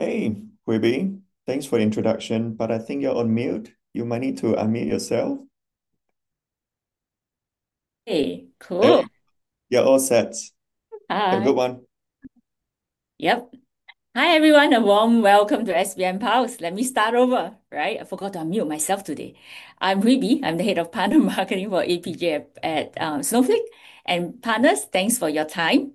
Hey, Hwee Bee, thanks for the introduction. I think you're on mute. You might need to unmute yourself. Hey, cool. You're all set. Have a good one. Yep. Hi, everyone. A warm welcome to SBM Pals. Let me start over. Right, I forgot to unmute myself today. I'm Hwee Bee. I'm the Head of Partner Marketing for APJ at Snowflake and Partners. Thanks for your time.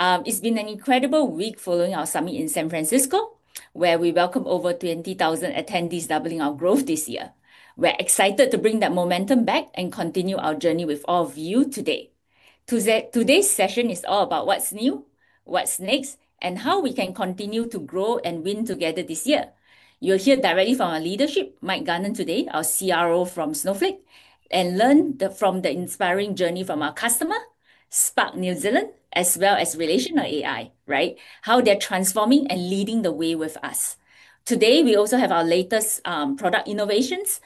It's been an incredible week following our summit in San Francisco where we welcomed over 20,000 attendees, doubling our growth this year. We're excited to bring that momentum back and continue our journey with all of you today. Today's session is all about what's new, what's next, and how we can continue to grow and win together this year. You'll hear directly from our leadership, Michael Gartner today, our CRO from Snowflake, and learn from the inspiring journey from our customer, Spark New Zealand, as well as RelationalAI, how they're transforming and leading the way with us today. We also have our latest product innovations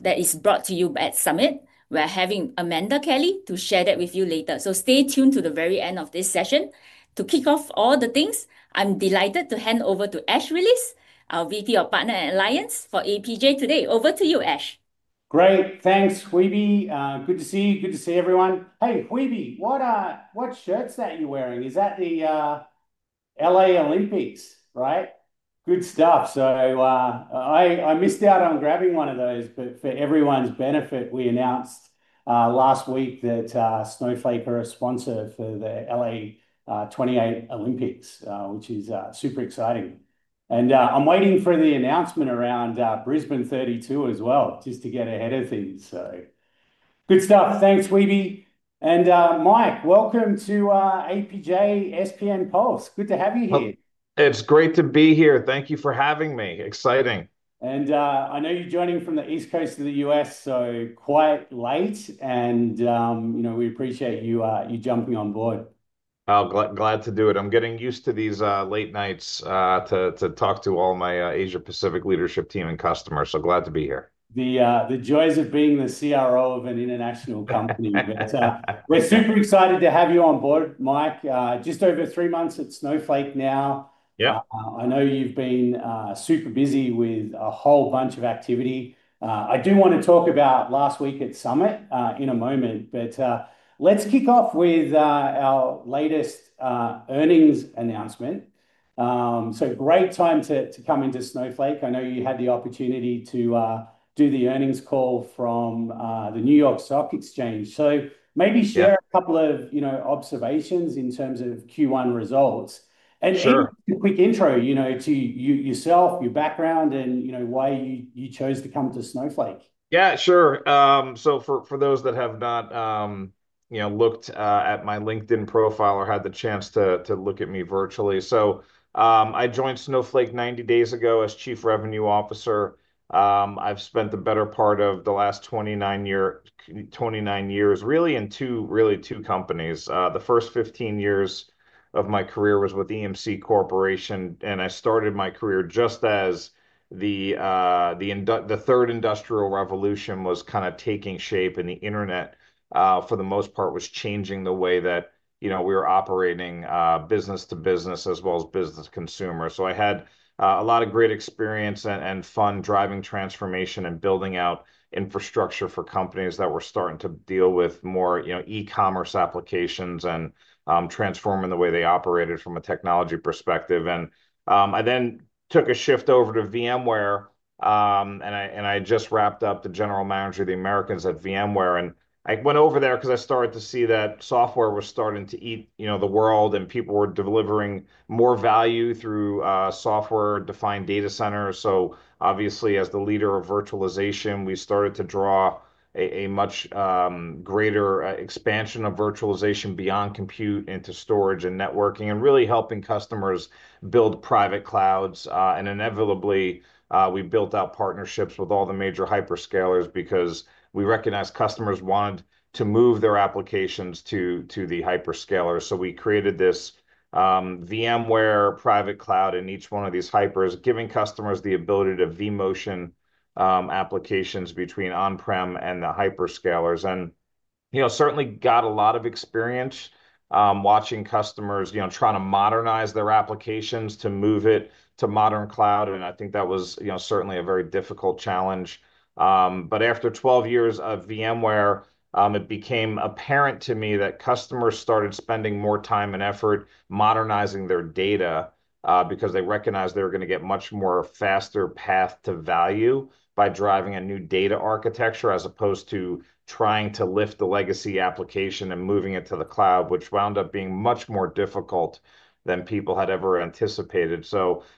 that is brought to you at Summit. We're having Amanda Kelly to share that with you later. Stay tuned to the very end of this session. To kick off all the things, I'm delighted to hand over to Ash Willis, our VP of Partner and Alliance for APJ today. Over to you, Ash. Great. Thanks, Hwee Bee. Good to see you. Good to see everyone. Hey, Hwee Bee. What. What shirts that you're wearing? Is that the L.A. Olympics? Right? Good stuff. I missed out on grabbing one of those. For everyone's benefit, we announced last week that Snowflake are a sponsor for the L.A. 28 Olympics, which is super exciting. I'm waiting for the announcement around Brisbane 32 as well, just to get ahead of things. Good stuff. Thanks. Hwee Bee and Mike, welcome to APJ SPN Pulse. Good to have you here. It's great to be here. Thank you for having me. Exciting. I know you're joining from the East Coast of the U.S., so quite late, and you know, we appreciate you jumping on board. Glad to do it. I'm getting used to these late nights to talk to all my Asia Pacific leadership team and customers. Glad to be here. The joys of being the CRO of an international company. We're super excited to have you on board, Mike. Just over three months at Snowflake now. Yeah, I know you've been super busy with a whole bunch of activity. I do want to talk about last week at Summit in a moment, but let's kick off with our latest earnings announcement. Great time to come into Snowflake. I know you had the opportunity to do the earnings call from the New York Stock Exchange. Maybe share a couple of, you know, observations in terms of Q1 results and quick intro, you know, to yourself, your background and, you know, why you chose to come to Snowflake. Yeah, sure. For those that have not, you know, looked at my LinkedIn profile or had the chance to look at me virtually, I joined Snowflake 90 days ago as Chief Revenue Officer. I've spent the better part of the last 29 years really in two companies. The first 15 years of my career was with EMC Corporation and I started my career just as the third industrial revolution was kind of taking shape and the Internet for the most part was changing the way that, you know, we were operating business to business as well as business to consumer. I had a lot of great experience and fun driving transformation and building out infrastructure for companies that were starting to deal with more e-commerce applications and transforming the way they operated from a technology perspective. I then took a shift over to VMware and I just wrapped up the General Manager of the Americas at VMware. I went over there because I started to see that software was starting to eat the world and people were delivering more value through software-defined data centers. Obviously as the leader of virtualization, we started to draw a much greater expansion of virtualization beyond compute into storage and networking and really helping customers build private clouds. Inevitably we built out partnerships with all the major hyperscalers because we recognized customers wanted to move their applications to the hyperscaler. We created this VMware private cloud in each one of these hypers, giving customers the ability to vMotion applications between OnPrem and the hyperscalers. I certainly got a lot of experience watching customers trying to modernize their applications to move it to modern cloud. I think that was certainly a very difficult challenge. After 12 years of VMware it became apparent to me that customers started spending more time and effort to modernizing their data because they recognized they were going to get much more faster path to value by driving a new data architecture as opposed to trying to lift the legacy application and moving it to the cloud, which wound up being much more difficult than people had ever anticipated.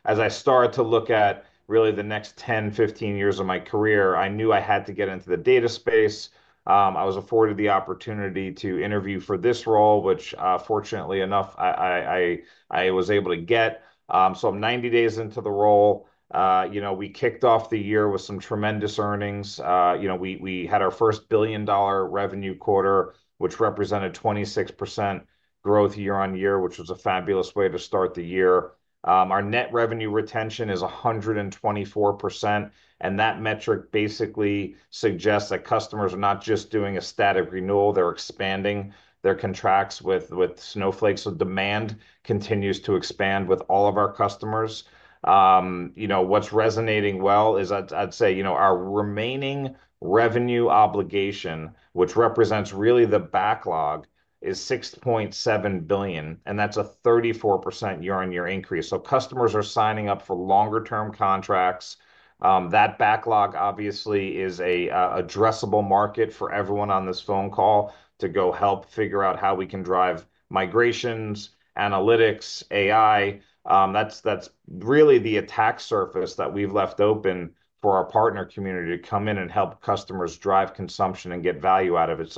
As I started to look at really the next 10-15 years of my career, I knew I had to get into the data space. I was afforded the opportunity to interview for this role which fortunately enough I was able to get. I'm 90 days into the role. You know, we kicked off the year with some tremendous earnings. You know, we had our first billion dollar revenue quarter, which represented 26% growth year on year, which was a fabulous way to start the year. Our net revenue retention is 124%. And that metric basically suggests that customers are not just doing a static renewal, they're expanding their contracts with Snowflake. Demand continues to expand with all of our customers. You know, what's resonating well is, I'd say, our remaining revenue obligation, which represents really the backlog, is $6.7 billion, and that's a 34% year on year increase. Customers are signing up for longer term contracts. That backlog obviously is an addressable market for everyone on this phone call. To go help figure out how we can drive migrations, analytics, AI, that's really the attack surface that we've left open for our partner community to come in and help customers drive consumption and get value out of it.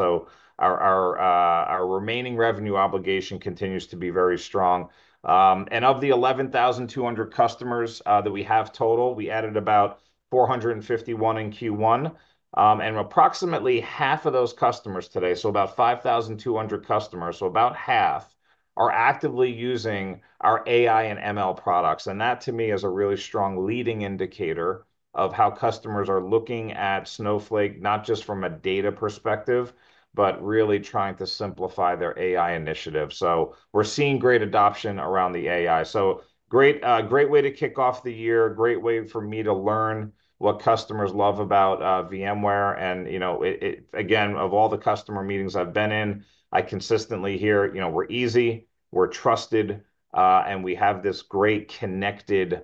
Our remaining revenue obligation continues to be very strong. Of the 11,200 customers that we have total, we added about 451 in Q1 and approximately half of those customers today, so about 5,200 customers, so about half are actively using our AI and ML products. That to me is a really strong leading indicator of how customers are looking at Snowflake, not just from a data perspective, but really trying to simplify their AI initiative. We're seeing great adoption around the AI. Great way to kick off the year, great way for me to learn what customers love about VMware. You know, again, of all the customer meetings I've been in, I consistently hear, you know, we're easy, we're trusted, and we have this great connected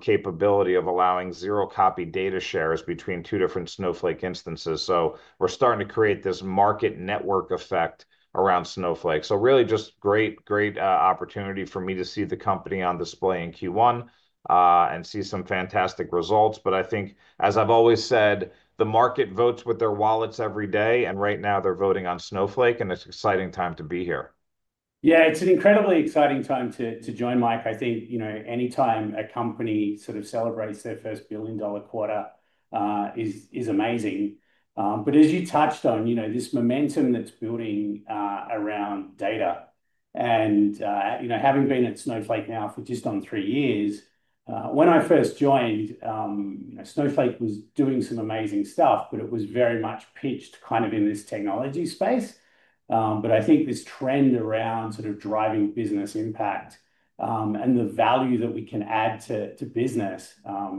capability of allowing zero copy data shares between two different Snowflake instances. We're starting to create this market network effect around Snowflake. Really just great, great opportunity for me to see the company on display in Q1 and see some fantastic results. I think as I've always said, the market votes with their wallets every day, and right now they're voting on Snowflake, and it's exciting time to be here. Yeah, it's an incredibly exciting time to join, Mike. I think, you know, anytime a company sort of celebrates their first billion dollar quarter is amazing. As you touched on, you know, this momentum that's building around data and having been at Snowflake now for just on three years. When I first joined, Snowflake was doing some amazing stuff, but it was very much pitched in this technology space. I think this trend around driving business impact and the value that we can add to business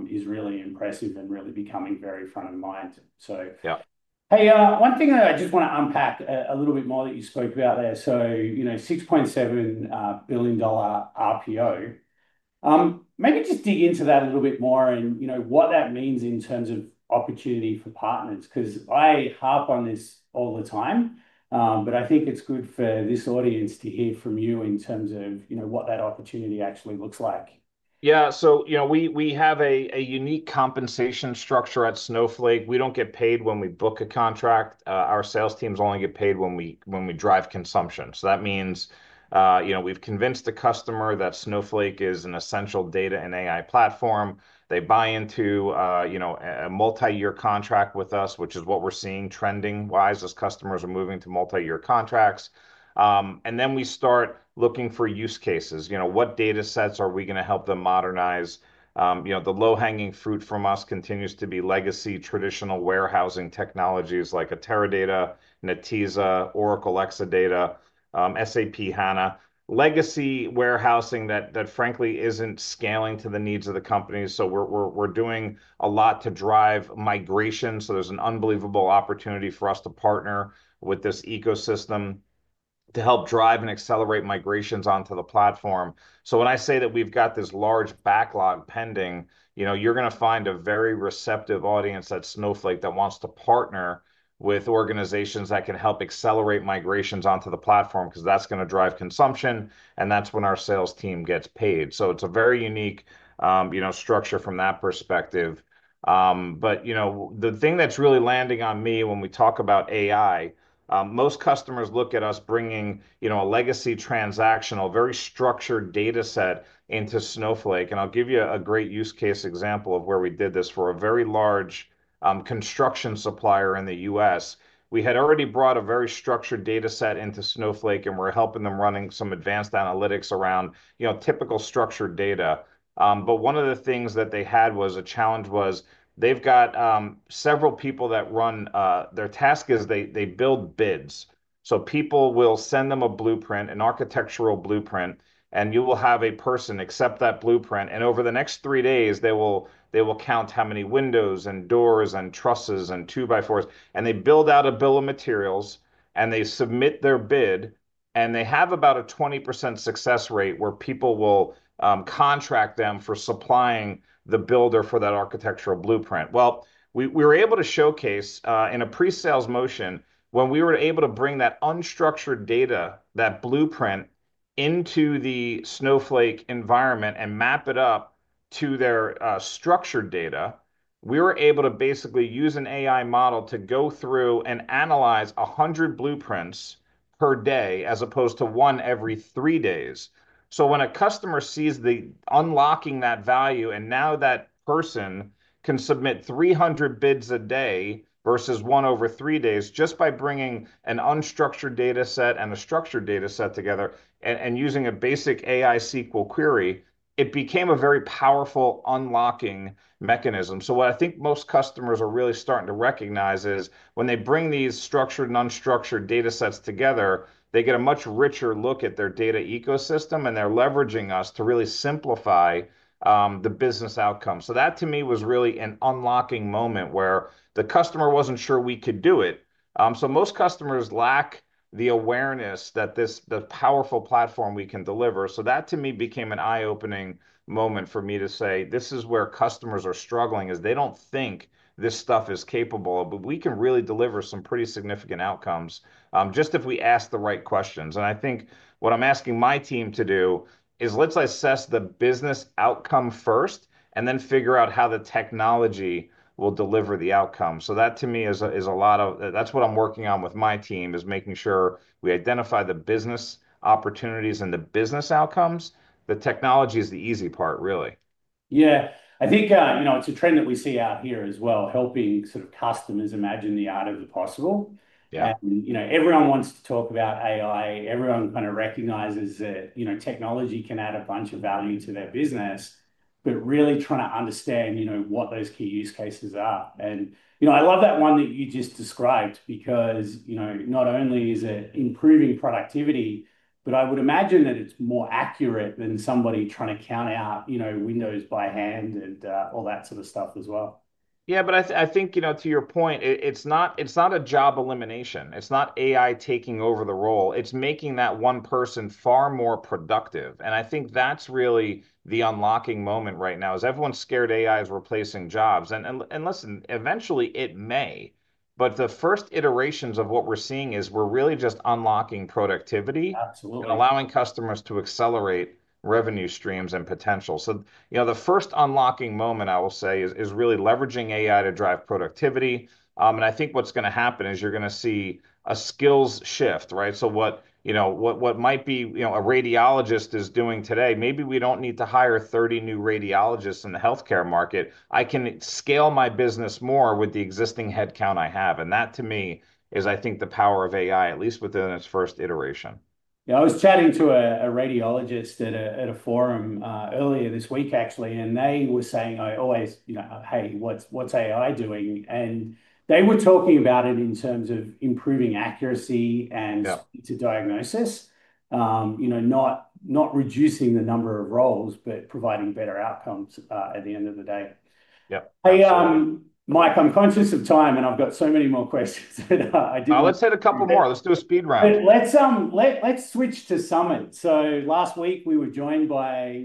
is really impressive and really becoming very front of mind. Hey, one thing that I just want to unpack a little bit more that you spoke about there, so $6.7 billion RPO, maybe just dig into that a little bit more and you know what that means in terms of opportunity for partners. Because I harp on this all the time, but I think it's good for this audience to hear from you in terms of what that opportunity actually looks like. Yeah, so we have a unique compensation structure at Snowflake. We don't get paid when we book a contract. Our sales teams only get paid when we drive consumption. That means we've convinced the customer that Snowflake is an essential data and AI platform. They buy into, you know, a multi year contract with us, which is what we're seeing trending wise as customers are moving to multi year contracts. Then we start looking for use cases, you know, what data sets are we going to help them modernize? You know, the low hanging fruit for us continues to be legacy traditional warehousing technologies like a Teradata, Netezza, Oracle, Exadata, SAP, HANA, legacy warehousing that, that frankly isn't scaling to the needs of the companies. We're doing a lot to drive migration. There's an unbelievable opportunity for us to partner with this ecosystem to help drive and accelerate migrations onto the platform. When I say that we've got this large backlog pending, you know, you're going to find a very receptive audience at Snowflake that wants to partner with organizations that can help accelerate migrations onto the platform because that's going to drive consumption and that's when our sales team gets paid. It's a very unique, you know, structure from that perspective. You know, the thing that's really landing on me when we talk about AI, most customers look at us bringing, you know, a legacy, transactional, very structured data set into Snowflake. I'll give you a great use case example of where we did this. For a very large construction supplier in the U.S., we had already brought a very structured data set into Snowflake and we're helping them running some advanced analytics around, you know, typical structured data. One of the things that they had as a challenge was they've got several people that run their task is they, they build bids. People will send them a blueprint, an architectural blueprint, and you will have a person accept that blueprint. Over the next three days, they will count how many windows and doors and trusses and two by fours, and they build out a bill of materials and they submit their bid. They have about a 20% success rate where people will contract them for supplying the builder for that architectural blueprint. We were able to showcase in a pre sales motion when we were able to bring that unstructured data, that blueprint into the Snowflake environment and map it up to their structured data. We were able to basically use an AI model to go through and analyze 100 blueprints per day as opposed to one every three days. When a customer sees the unlocking that value, and now that person can submit 300 bids a day versus one over three days just by bringing an unstructured data set and a structured data set together and using a basic AI SQL query, it became a very powerful unlocking mechanism. What I think most customers are really starting to recognize is when they bring these structured and unstructured data sets together, they get a much richer look at their data ecosystem and they're leveraging us to really simplify the business outcome. That to me was really an unlocking moment where the customer wasn't sure we could do it. Most customers lack the awareness that this is the powerful platform we can deliver. That to me became an eye opening moment for me to say this is where customers are struggling is they don't think this stuff is capable, but we can really deliver some pretty significant outcomes just if we ask the right questions. I think what I'm asking my team to do is let's assess the business outcome first and then figure out how the technology will deliver the outcome. That to me is a lot of that's what I'm working on with my team is making sure we identify the business opportunities and the business outcomes. The technology is the easy part, really. Yeah, I think it's a trend that we see out here as well, helping sort of customers imagine the art of the possible. Everyone wants to talk about AI. Everyone kind of recognizes that technology can add a bunch of value to their business, but really trying to understand what those key use cases are. I love that one that you just described because not only is it improving productivity, but I would imagine that it's more accurate than somebody trying to count out windows by hand and all that sort of stuff as well. Yeah, but I think to your point, it's not a job elimination. It's not AI taking over the role, it's making that one person far more productive. I think that's really the unlocking moment right now is everyone's scared AI is replacing jobs. Listen, eventually it may, but the first iterations of what we're seeing is we're really just unlocking productivity and allowing customers to accelerate revenue streams and potential. You know, the first unlocking moment, I will say, is really leveraging AI to drive productivity. I think what's going to happen is you're going to see a skills shift. Right. What might be, you know, a radiologist is doing today? Maybe we don't need to hire 30 new radiologists in the healthcare market. I can scale my business more with the existing headcount I have. That to me is, I think, the power of AI, at least within its first iteration. I was chatting to a radiologist at a forum earlier this week actually, and they were saying I always, hey, what's AI doing? And they were talking about it in terms of improving accuracy and to diagnosis, not reducing the number of roles, but providing better outcomes. At the end of the day, Mike, I'm conscious of time and I've got so many more questions. Let's hit a couple more. Let's do a speed round, let's switch to Summit. Last week we were joined by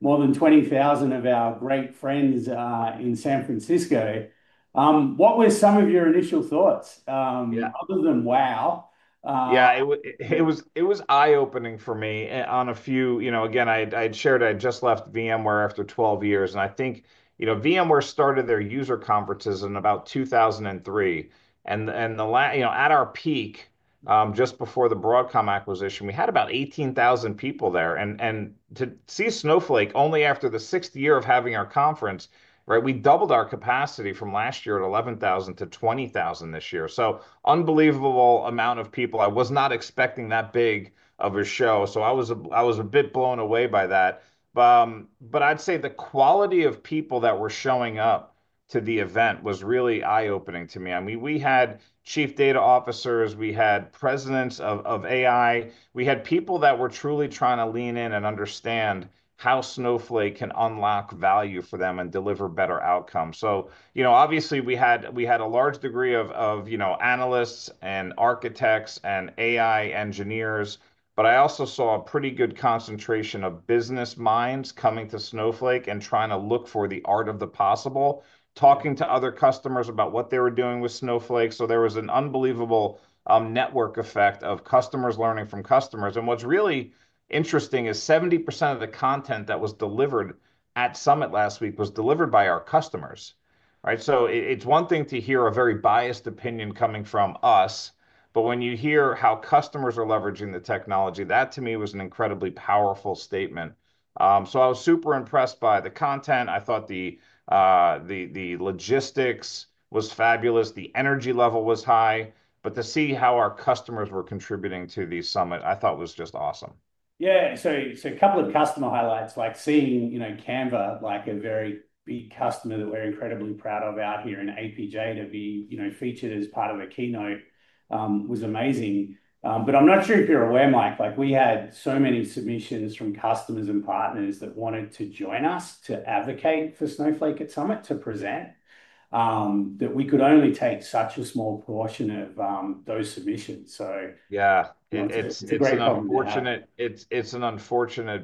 more than 20,000 of our great friends in San Francisco. What were some of your initial thoughts? Other than wow? Yeah, it was eye opening for me on a few. Again, I'd shared. I just left VMware after 12 years and I think VMware started their user conferences in about 2003 and at our peak, just before the Broadcom acquisition, we had about 18,000 people there. To see Snowflake only after the sixth year of having our conference, right, we doubled our capacity from last year at 11,000 to 20,000 this year. Unbelievable amount of people. I was not expecting that big of a show, I was a bit blown away by that. I'd say the quality of people that were showing up to the event was really eye opening to me. I mean, we had Chief Data Officers, we had Presidents of AI, we had people that were truly trying to lean in and understand how Snowflake can unlock value for them and deliver better outcomes. You know, obviously we had a large degree of, you know, analysts and architects and AI engineers. I also saw a pretty good concentration of business minds coming to Snowflake and trying to look for the art of the possible, talking to other customers about what they were doing with Snowflake. There was an unbelievable network effect of customers learning from customers. What's really interesting is 70% of the content that was delivered at Summit last week was delivered by our customers. Right. It is one thing to hear a very biased opinion coming from us, but when you hear how customers are leveraging the technology, that to me was an incredibly powerful statement. I was super impressed by the content. I thought the logistics was fabulous, the energy level was high. To see how our customers were contributing to the Summit, I thought was just awesome. Yeah. So a couple of customer highlights, like seeing Canva, like a very big customer that we're incredibly proud of out here in APJ. To be featured as part of a keynote was amazing. I'm not sure if you're aware, Mike. Like, we had so many submissions from customers and partners that wanted to join us to advocate for Snowflake at Summit, to present that we could only take such a small portion of those submissions. So, yeah, it's an unfortunate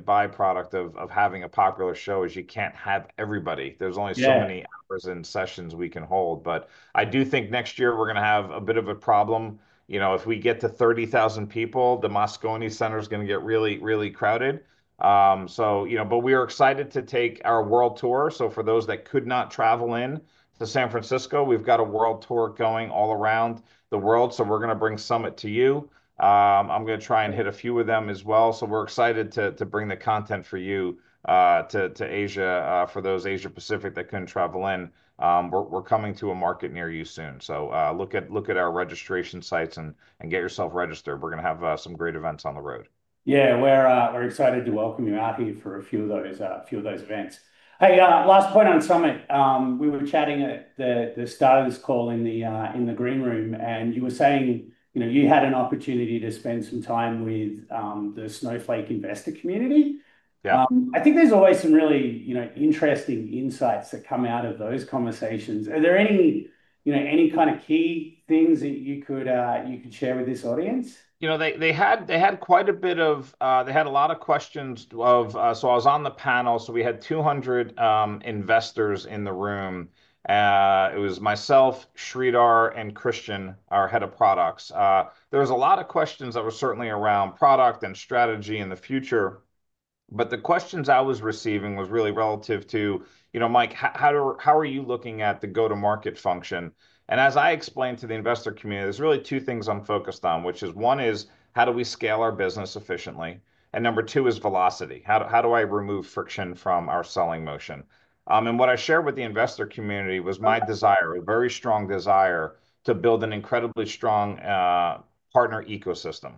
byproduct of having a popular show is you can't have everybody. There's only so many hours and sessions we can hold. I do think next year we're going to have a bit of a problem. You know, if we get to 30,000 people, the Moscone Center is going to get really, really crowded. You know, we are excited to take our world tour. For those that could not travel in to San Francisco, we've got a world tour going all around the world. We're going to bring Summit to you. I'm going to try and hit a few of them as well. We're excited to bring the content for you to Asia. For those Asia Pacific that couldn't travel in, we're coming to a market near you soon. Look at our registration sites and get yourself registered. We're going to have some great events on the road. Yeah, we're excited to welcome you out here for a few of those events. Hey, last point on Summit, we were chatting at the start of this call in the green room, and you were saying, you know, you had an opportunity to spend some time with the Snowflake investor community. I think there's always some really, you know, interesting insights that come out of those conversations. Are there any, you know, any kind of key things that you could share with this audience? You know, they had quite a bit of, they had a lot of questions. I was on the panel. We had 200 investors in the room. It was myself, Sridhar, and Christian, our Head of Products. There were a lot of questions that were certainly around product and strategy in the future. The questions I was receiving were really relative to, you know, Mike, how are you looking at the go to market function? As I explained to the investor community, there are really two things I'm focused on, which is one, how do we scale our business efficiently, and number two is velocity. How do I remove friction from our selling motion? What I shared with the investor community was my desire, a very strong desire, to build an incredibly strong partner ecosystem.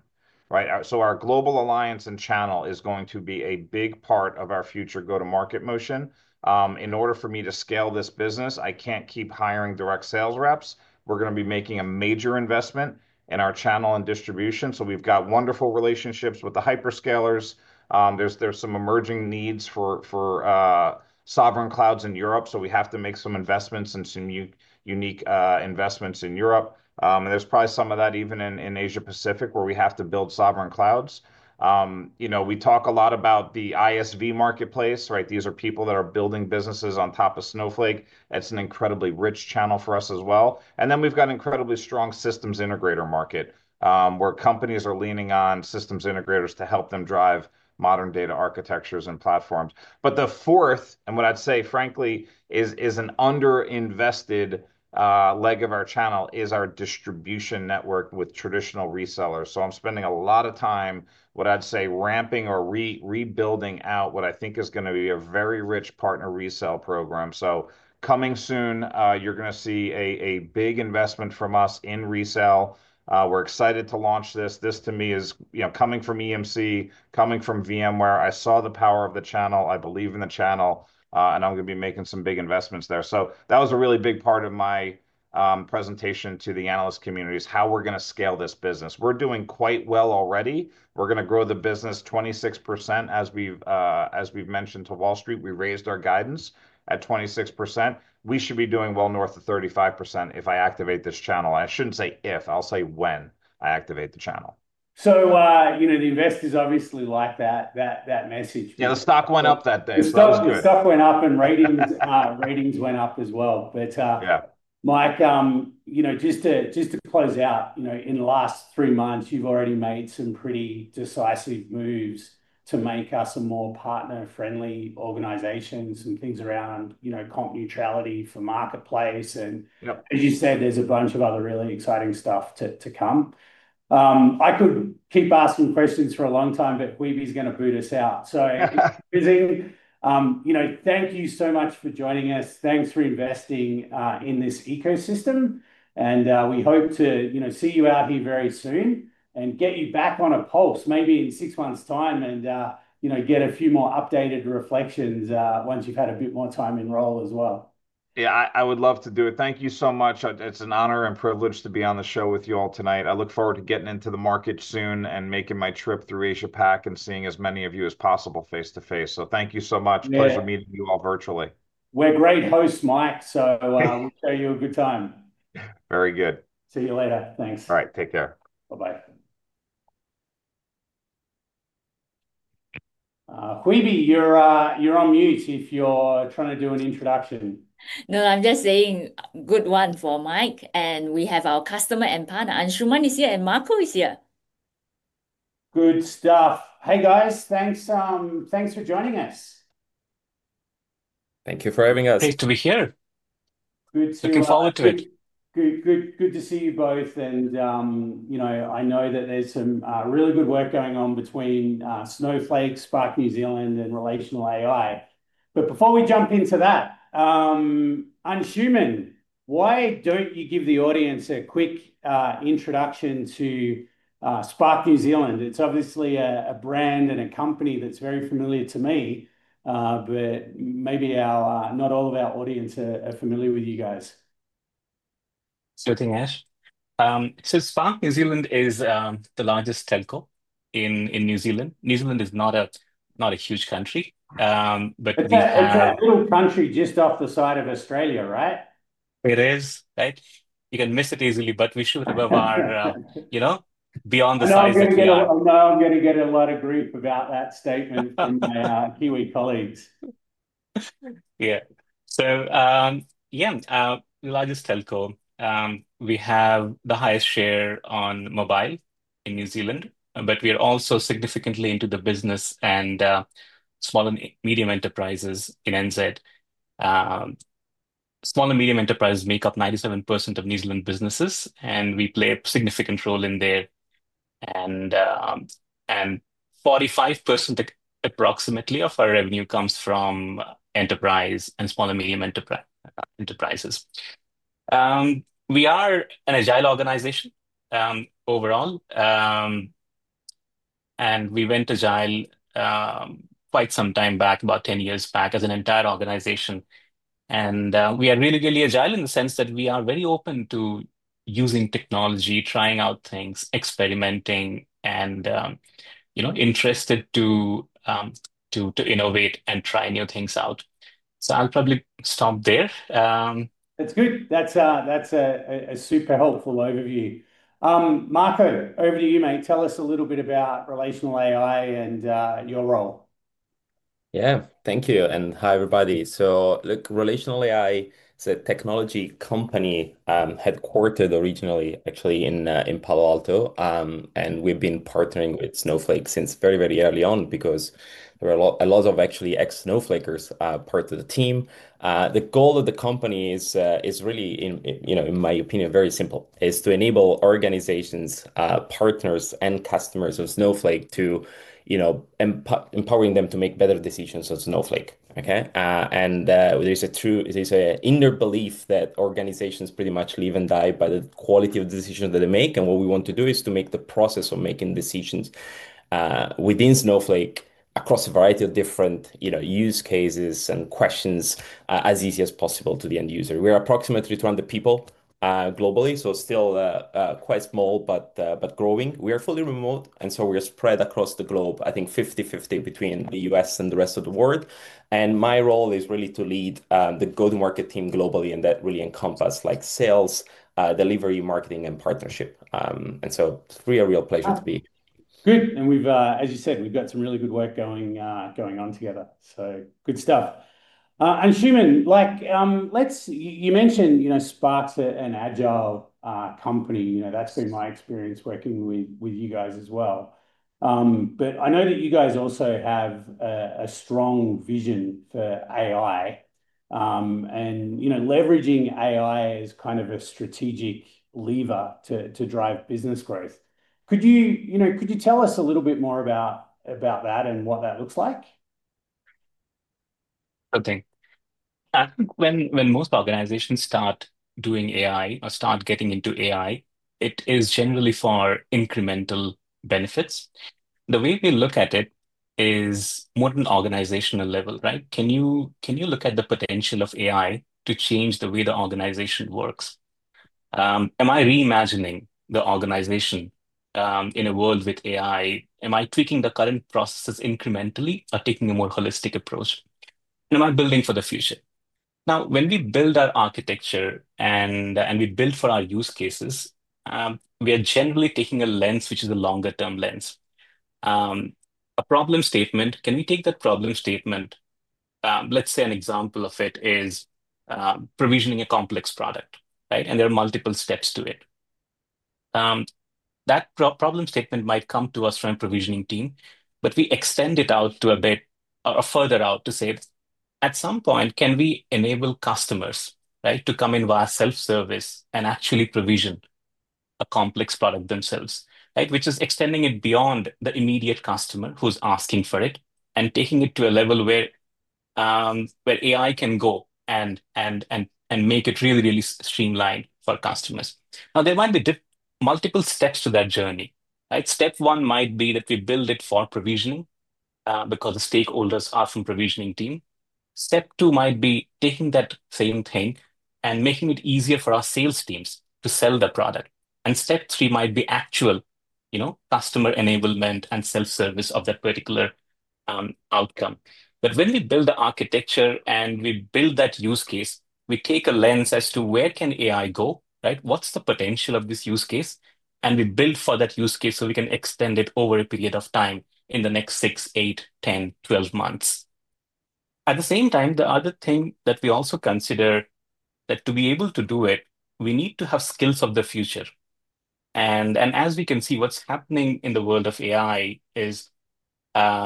Right. Our global alliance and channel is going to be a big part of our future go to market motion. In order for me to scale this business, I can't keep hiring direct sales reps. We're going to be making a major investment in our channel and distribution. We've got wonderful relationships with the hyperscalers. There's some emerging needs for sovereign clouds in Europe so we have to make some investments and some unique investments in Europe and there's probably some of that even in Asia Pacific where we have to build sovereign clouds. We talk a lot about the ISV marketplace. These are people that are building businesses on top of Snowflake. That's an incredibly rich channel for us as well. We've got incredibly strong systems integrator market where companies are leaning on systems integrators to help them drive modern data architectures and platforms. The fourth and what I'd say frankly is, is an under invested leg of our channel is our distribution network with traditional resellers. I'm spending a lot of time what I'd say ramping or rebuilding out what I think is going to be a very rich partner resale program. Coming soon you're going to see a big investment from us in resale. We're excited to launch this. This to me is, you know, coming from EMC, coming from VMware, I saw the power of the channel. I believe in the channel and I'm going to be making some big investments there. That was a really big part of my presentation to the analyst community is how we're going to scale this business. We're doing quite well already. We're going to grow the business 26%. As we've mentioned to Wall Street, we raised our guidance at 26%. We should be doing well north of 35%. If I activate this channel, I shouldn't say if. I'll say when I activate the channel. You know, the investors obviously like that message. Yeah, the stock went up that day. Stuff went up and ratings, ratings went up as well. Yeah, Mike, you know, just to close out, you know, in the last three months you have already made some pretty decisive moves to make us a more partner friendly organization. Some things around, you know, comp neutrality for Marketplace and as you said, there is a bunch of other really exciting stuff to come. I could keep asking questions for a long time, but Hwee Bee is going to boot us out. You know, thank you so much for joining us. Thanks for investing in this ecosystem and we hope to see you out here very soon and get you back on a pulse maybe in six months time and, you know, get a few more updated reflections once you have had a bit more time in role as well. Yeah, I would love to do it. Thank you so much. It's an honor and privilege to be on the show with you all tonight. I look forward to getting into the market soon and making my trip through APJ and seeing as many of you as possible face to face. Thank you so much. Pleasure meeting you all virtually. We're great hosts, Mike. We'll show you a good time. Very good. See you later. Thanks. All right, take care. Bye. Bye. Hwee Bee, you're on mute if you're trying to do an introduction. No, I'm just saying good one for Mike. We have our customer and partner. Anshuman is here and Marco is here. Good stuff. Hey guys, thanks. Thanks for joining us. Thank you for having us. Great to be here. Looking forward to it. Good to see you both. I know that there's some really good work going on between Snowflake, Spark New Zealand, and RelationalAI. Before we jump into that, Anshuman, why don't you give the audience a quick introduction to Spark New Zealand? It's obviously a brand and a company that's very familiar to me, but maybe not all of our audience are familiar with you guys. Thank you, Ash. So Spark New Zealand is the largest telco in New Zealand. New Zealand is not a huge country. It's a little country just off the side of Australia, right? It is, right? You can miss it easily. We should have a bar, you know, beyond the size of Australia. I'm going to get a lot of grief about that statement from my Kiwi colleagues. Yeah, the largest telco, we have the highest share on mobile in New Zealand, but we are also significantly into the business and small and medium enterprises in New Zealand. Small and medium enterprises make up 97% of New Zealand businesses and we play a significant role in there, and 45% approximately of our revenue comes from enterprise and small and medium enterprises. We are an agile organization overall and we went agile quite some time back, about 10 years back as an entire organization. We are really, really agile in the sense that we are very open to using technology, trying out things, experimenting, and you know, interested to innovate and try new things out. I'll probably stop there. That's good. That's a super helpful overview. Marco, over to you, mate. Tell us a little bit about RelationalAI and your role. Yeah, thank you. Hi everybody. Look, RelationalAI, so technology company, headquartered originally actually in Palo Alto. We've been partnering with Snowflake since very, very early on because there are a lot of actually ex-Snowflakers part of the team. The goal of the company is really, in my opinion, very simple, is to enable organizations, partners, and customers of Snowflake to empowering them to make better decisions on Snowflake. Okay. There is a true inner belief that organizations pretty much live and die by the quality of decisions that they make. What we want to do is to make the process of making decisions within Snowflake across a variety of different use cases and questions as easy as possible to the end user. We are approximately 200 people globally, so still quite small, but growing. We are fully remote and so we are spread across the globe, I think 50-50 between the US and the rest of the world. My role is really to lead the go to market team globally and that really encompasses sales, delivery, marketing, and partnership. It is really a real pleasure to be good. We have, as you said, got some really good work going on together, so good stuff. Anshuman, like, you mentioned, you know, Spark's an agile company. You know, that's been my experience working with you guys as well. I know that you guys also have a strong vision for AI and, you know, leveraging AI as kind of a strategic lever to drive business growth. Could you tell us a little bit more about that and what that looks like? Okay. I think when most organizations start doing AI or start getting into AI, it is generally for incremental benefits. The way we look at it is more an organizational level, right? Can you look at the potential of AI to change the way the organization works? Am I reimagining the organization in a world with AI? Am I tweaking the current processes incrementally or taking a more holistic approach? Am I building for the future? Now when we build our architecture and we build for our use cases, we are generally taking a lens, which is a longer term lens, a problem statement. Can we take that problem statement? Let's say an example of it is provisioning a complex product, right? And there are multiple steps to it. That problem statement might come to us from provisioning team, but we extend it out a bit further to say at some point can we enable customers, right, to come in via self service and actually provision a complex product themselves, which is extending it beyond the immediate customer who's asking for it and taking it to a level where I can go and make it really, really streamlined for customers. Now there might be multiple steps to that journey. Step one might be that we build it for provisioning because the stakeholders are from provisioning team. Step two might be taking that same thing and making it easier for our sales teams to sell the product. Step three might be actual customer enablement and self service of that particular outcome. When we build the architecture and we build that use case, we take a lens as to where can AI go, what's the potential of this use case? We build for that use case so we can extend it over a period of time in the next 6, 8, 10, 12 months. At the same time, the other thing that we also consider is that to be able to do it, we need to have skills of the future. As we can see, what's happening in the world of AI is a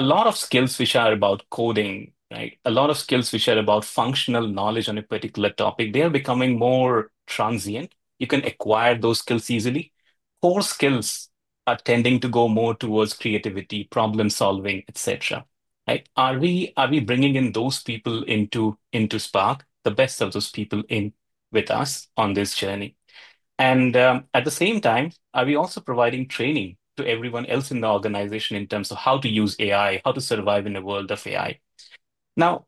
lot of skills which are about coding, a lot of skills which are about functional knowledge on a particular topic. They are becoming more transient. You can acquire those skills easily. Core skills are tending to go more towards creativity, problem solving, etc. Are we bringing in those people into Spark, the best of those people in with us on this journey? At the same time, are we also providing training to everyone else in the organization in terms of how to use AI, how to survive in the world of AI? Now,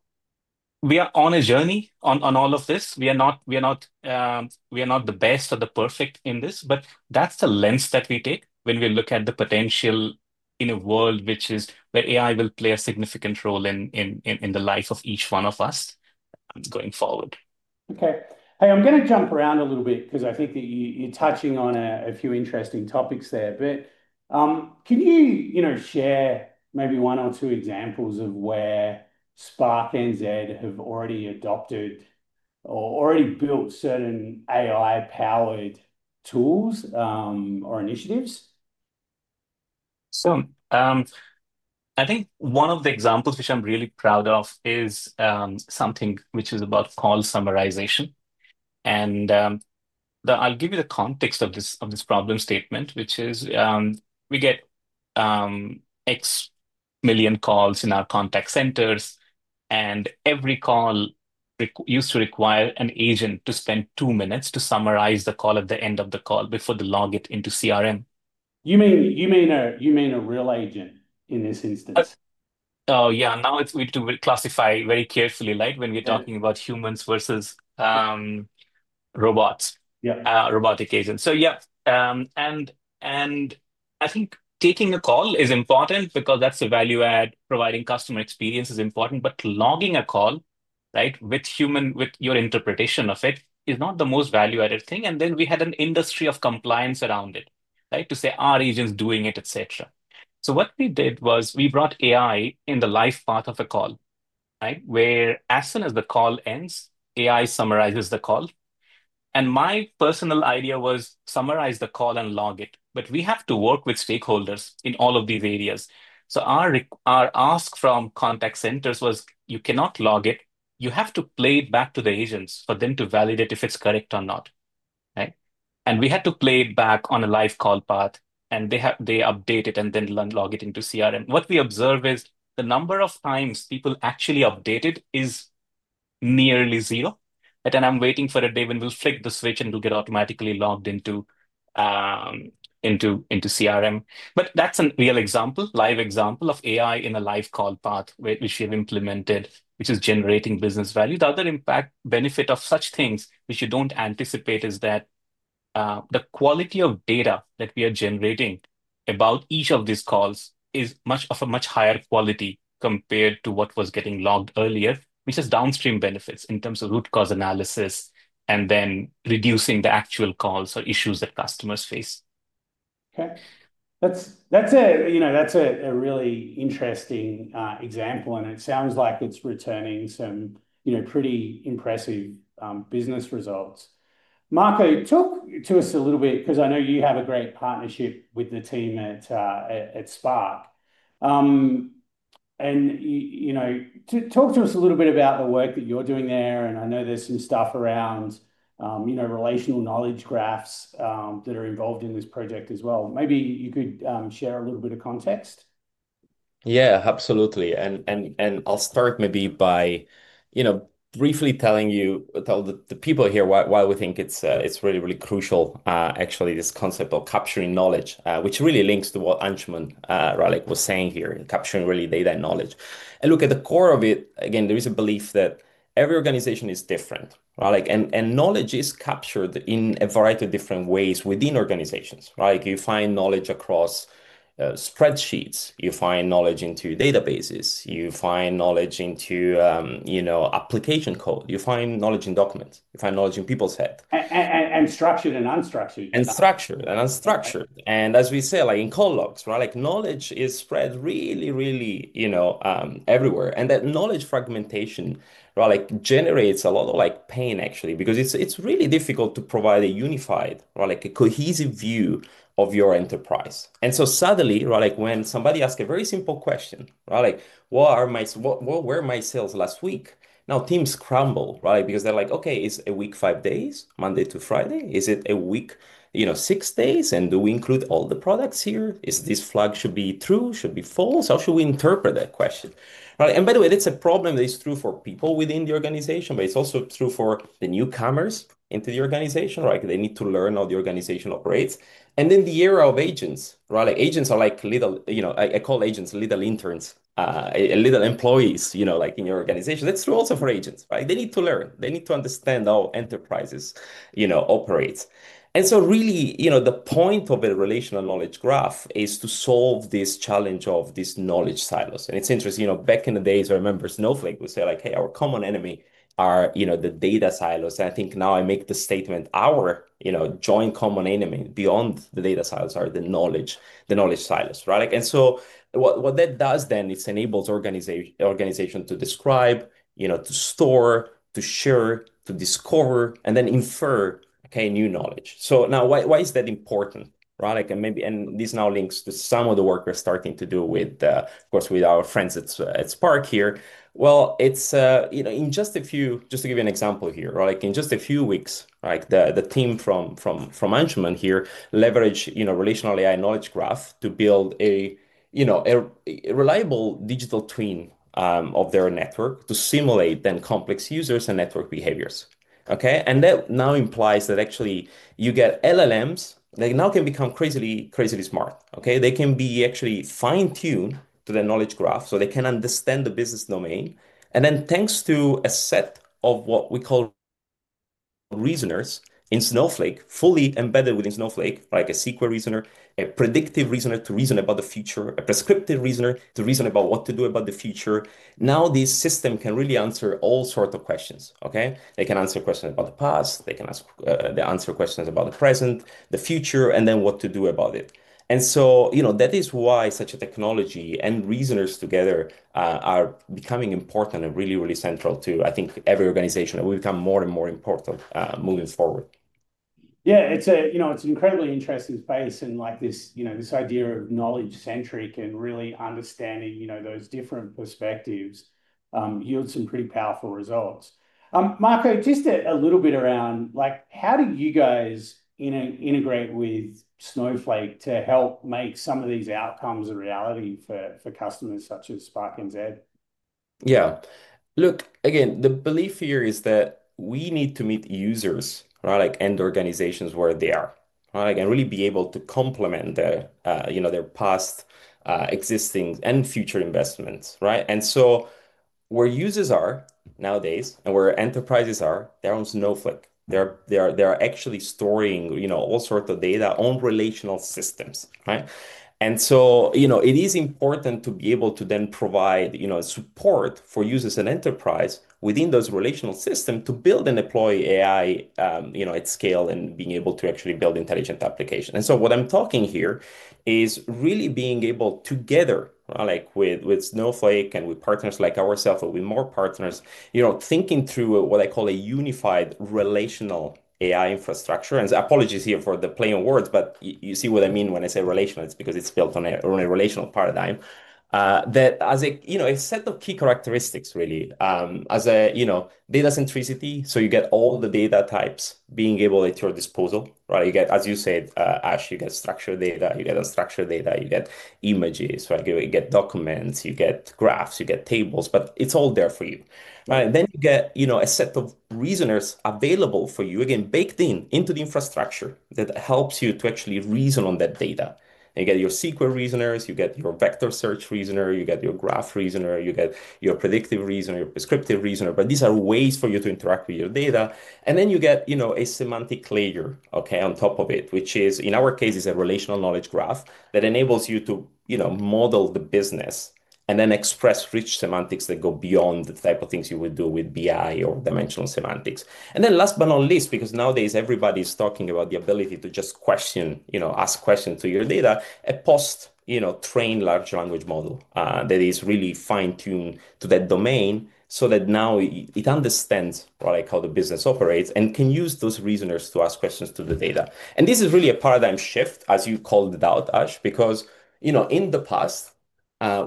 we are on a journey on all of this. We are not, we are not the best or the perfect in this, but that is the lens that we take when we look at the potential in a world which is where AI will play a significant role in the life of each one of us going forward. Okay? Hey, I'm going to jump around a little bit because I think that you're touching on a few interesting topics there, but can you share maybe one or two examples of where Spark New Zealand have already adopted or already built certain AI powered tools or initiatives? I think one of the examples which I'm really proud of is something which is about call summarization. I'll give you the context of this problem statement, which is we get X million calls in our contact centers and every call used to require an agent to spend two minutes to summarize the call at the end of the call before they log it into CRM. You mean a real agent in this instance? Yeah. Now we do classify very carefully when we are talking about humans versus robots, robotic agents. Yeah, and I think taking a call is important because that's the value add. Providing customer experience is important, but logging a call with your interpretation of it is not the most value added thing. We had an industry of compliance around it to say our agents doing it, et cetera. What we did was we brought AI in the life path of a call where as soon as the call ends, AI summarizes the call. My personal idea was summarize the call and log it. We have to work with stakeholders in all of these areas. Our ask from contact centers was you cannot log it. You have to play it back to the agents for them to validate if it's correct or not. We had to play it back on a live call path and they update it and then log it into CRM. What we observe is the number of times people actually updated is nearly zero. I'm waiting for a day when we'll flick the switch and it'll get automatically logged into CRM. That's a real example, a live example of AI in a live call path which we have implemented, which is generating business value. The other impact benefit of such things, which you don't anticipate, is that the quality of data that we are generating about each of these calls is of a much higher quality compared to what was getting logged earlier, which has downstream benefits in terms of root cause analysis and then reducing the actual calls or issues that customers face. That's a really interesting example and it sounds like it's returning some pretty impressive business results. Marco, talk to us a little bit, because I know you have a great partnership with the team at Spark. Talk to us a little bit about the work that you're doing there. I know there's some stuff around Relational Knowledge Graphs that are involved in this project as well. Maybe you could share a little bit of context. Yeah, absolutely. I'll start maybe by briefly telling you, tell the people here why we think it's really, really crucial, actually, this concept of capturing knowledge, which really links to what Anshuman was saying here, capturing really data knowledge. Look at the core of it again. There is a belief that every organization is different and knowledge is captured in a variety of different ways. Within organizations, you find knowledge across spreadsheets, you find knowledge in databases, you find knowledge in application code, you find knowledge in documents, you find knowledge in people's head. Structured and unstructured. Structured and unstructured. As we say in call logs, knowledge is spread really, really everywhere. That knowledge fragmentation generates a lot of pain actually, because it is really difficult to provide a unified, cohesive view of your enterprise. Suddenly when somebody asks a very simple question, what were my sales last week? Now teams crumble because they are like, okay, is a week five days, Monday to Friday? Is it a week six days? Do we include all the products here? Is this flag should be true, should be false? How should we interpret that question? By the way, that is a problem. That is true for people within the organization, but it is also true for the newcomers into the organization. They need to learn how the organization operates. Then the era of agents. Agents are like, I call agents little interns, little employees in your organization. That is true also for agents. They need to learn, they need to understand how enterprises operate. Really, the point of a Relational Knowledge Graph is to solve this challenge of these knowledge silos. It is interesting, back in the days I remember Snowflake would say, hey, our common enemy are the data silos. I think now I make the statement, our joint common enemy beyond the data silos are the knowledge silos. Right? What that does then is enable organizations to describe, to store, to share, to discover, and then infer new knowledge. Now, why is that important? This now links to some of the work we are starting to do with, of course, with our friends at Spark here. It is in just a few, just to give you example here, in just a few weeks, the team from management here leverage RelationalAI knowledge graph to build a reliable Digital Twin of their network to simulate then complex users and network behaviors. That now implies that actually you get LLMs, they now can become crazily smart, they can be actually fine tuned to their knowledge graph. They can understand the business domain. Then thanks to a set of what we call reasoners in Snowflake, fully embedded within Snowflake, like a SQL reasoner, a predictive reasoner to reason about the future, a prescriptive reasoner to reason about what to do about the future. Now this system can really answer all sorts of questions. They can answer questions about the past, they can answer questions about the present, the future, and then what to do about it. That is why such a technology and reasoners together are becoming important and really, really central to, I think, every organization will become more and more important moving forward. Yeah, it's a, you know, it's an incredibly interesting space and like this, you know, this idea of knowledge centric and really understanding those different perspectives yields some pretty powerful results. Marco, just a little bit around, like how do you guys integrate with Snowflake to help make some of these outcomes a reality for customers such as Spark. Yeah, look again, the belief here is that we need to meet users and organizations where they are and really be able to complement their past, existing, and future investments. Where users are nowadays and where enterprises are, they're on Snowflake, they're actually storing all sorts of data on relational systems. It is important to be able to then provide support for users and enterprise within those relational systems to build and deploy AI at scale and being able to actually build intelligent applications. What I'm talking here is really being able, together with Snowflake and with partners like ourselves, or with more partners, thinking through what I call a unified RelationalAI infrastructure. Apologies here for the play on words, but you see what I mean when I say relational, it's because it's built on a relational paradigm that has a set of key characteristics really as a data centricity. You get all the data types being able at your disposal. As you said, Ash, you get structured data, you get unstructured data, you get images, you get documents, you get graphs, you get tables, but it's all there for you. You get a set of reasoners available for you again baked in into the infrastructure that helps you to actually reason on that data. You get your SQL reasoners, you get your vector search reasoner, you get your graph reasoner, you get your predictive reasoner, your prescriptive reasoner. These are ways for you to interact with your data and then you get a semantic layer on top of it, which is in our case, it's a Relational Knowledge Graph that enables you to model the business and then express rich semantics that go beyond the type of things you would do with BI or dimensional semantics. Last but not least, because nowadays everybody's talking about the ability to just question, you know, ask questions to your data, a post, you know, trained large language model that is really fine tuned to that domain so that now it understands like how the business operates and can use those reasoners to ask questions to the data. This is really a paradigm shift, as you called it out, Ash, because, you know, in the past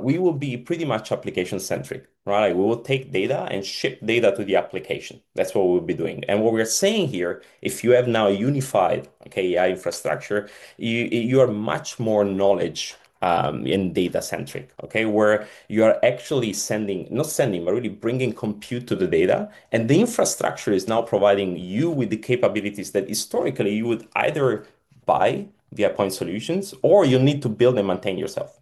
we will be pretty much application centric, right? We will take data and ship data to the application. That's what we'll be doing. What we're saying here, if you have now a unified AI infrastructure, you are much more knowledge and data centric, okay? Where you are actually sending, not sending, but really bringing compute to the data. The infrastructure is now providing you with the capabilities that historically you would either buy via point solutions or you need to build and maintain yourself.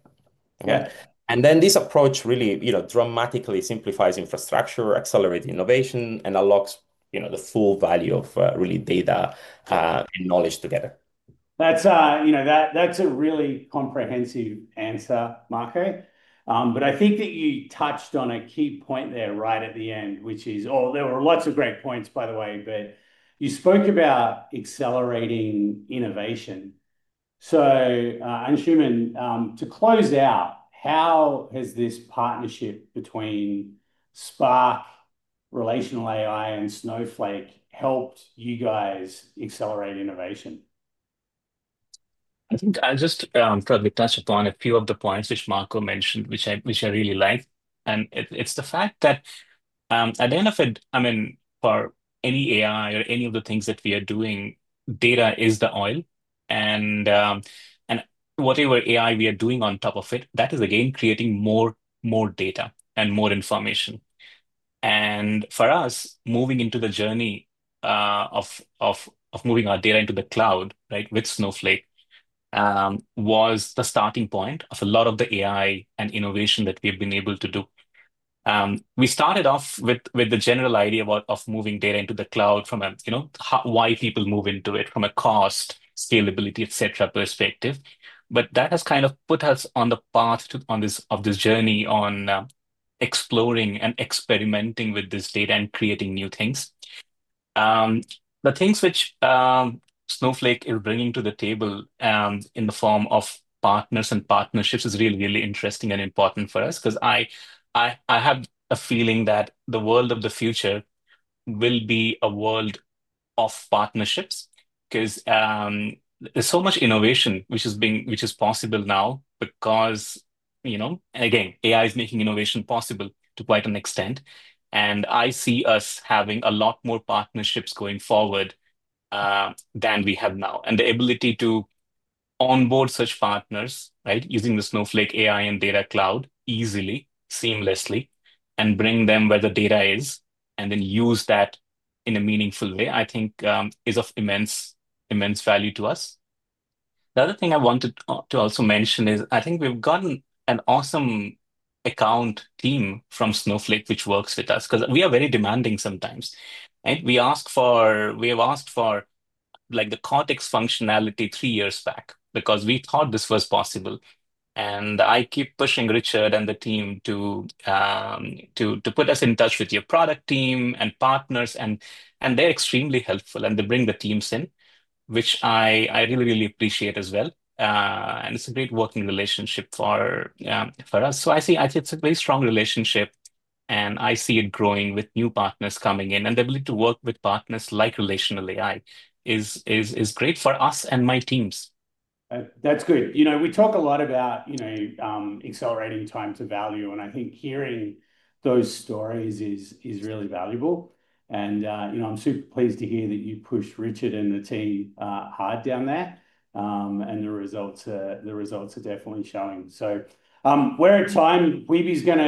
This approach really dramatically simplifies infrastructure, accelerates innovation and unlocks, you know, the full value of really data and knowledge together. That's, you know, that's a really comprehensive answer, Marco, but I think that you touched on a key point there right at the end, which is, oh, there were lots of great points, by the way, but you spoke about accelerating innovation. Anshuman, to close out, how has this partnership between Spark, RelationalAI, and Snowflake helped you guys accelerate innovation? I think I'll just probably touch upon a few of the points which Marco mentioned, which I really like. It's the fact that at the end of it, I mean, for any AI or any of the things that we are doing, data is the oil and whatever AI we are doing on top of it, that is again, creating more data and more information. For us, moving into the journey of moving our data into the cloud with Snowflake was the starting point of a lot of the AI and innovation that we've been able to do. We started off with the general idea of moving data into the cloud from why people move into it from a cost, scalability, et cetera perspective. That has kind of put us on the path on this, of this journey, on exploring and experimenting with this data and creating new things. The things which Snowflake is bringing to the table in the form of partners and partnerships is really, really interesting and important for us because I have a feeling that the world of the future will be a world of partnerships because there is so much innovation which is possible now because, you know, again, AI is making innovation possible to quite an extent. I see us having a lot more partnerships going forward than we have now. The ability to onboard such partners, right, using the Snowflake AI and data cloud easily, seamlessly, and bring them where the data is and then use that in a meaningful way, I think is of immense, immense value to us. The other thing I wanted to also mention is I think we've gotten an awesome account team from Snowflake which works with us because we are very demanding sometimes. We have asked for the Cortex functionality three years back because we thought this was possible. I keep pushing Richard and the. Team. To put us in touch with your product team and partners. They are extremely helpful and they bring the teams in, which I really, really appreciate as well. It is a great working relationship for us. I think it is a very strong relationship, and I see it growing with new partners coming in and the ability to work with partners, like RelationalAI, is great for us and my teams. That's good. You know, we talk a lot about accelerating time to value, and I think hearing those stories is really valuable. I'm super pleased to hear that you pushed Richard and the team hard down there, and the results are definitely showing. We're at time. Weebly's going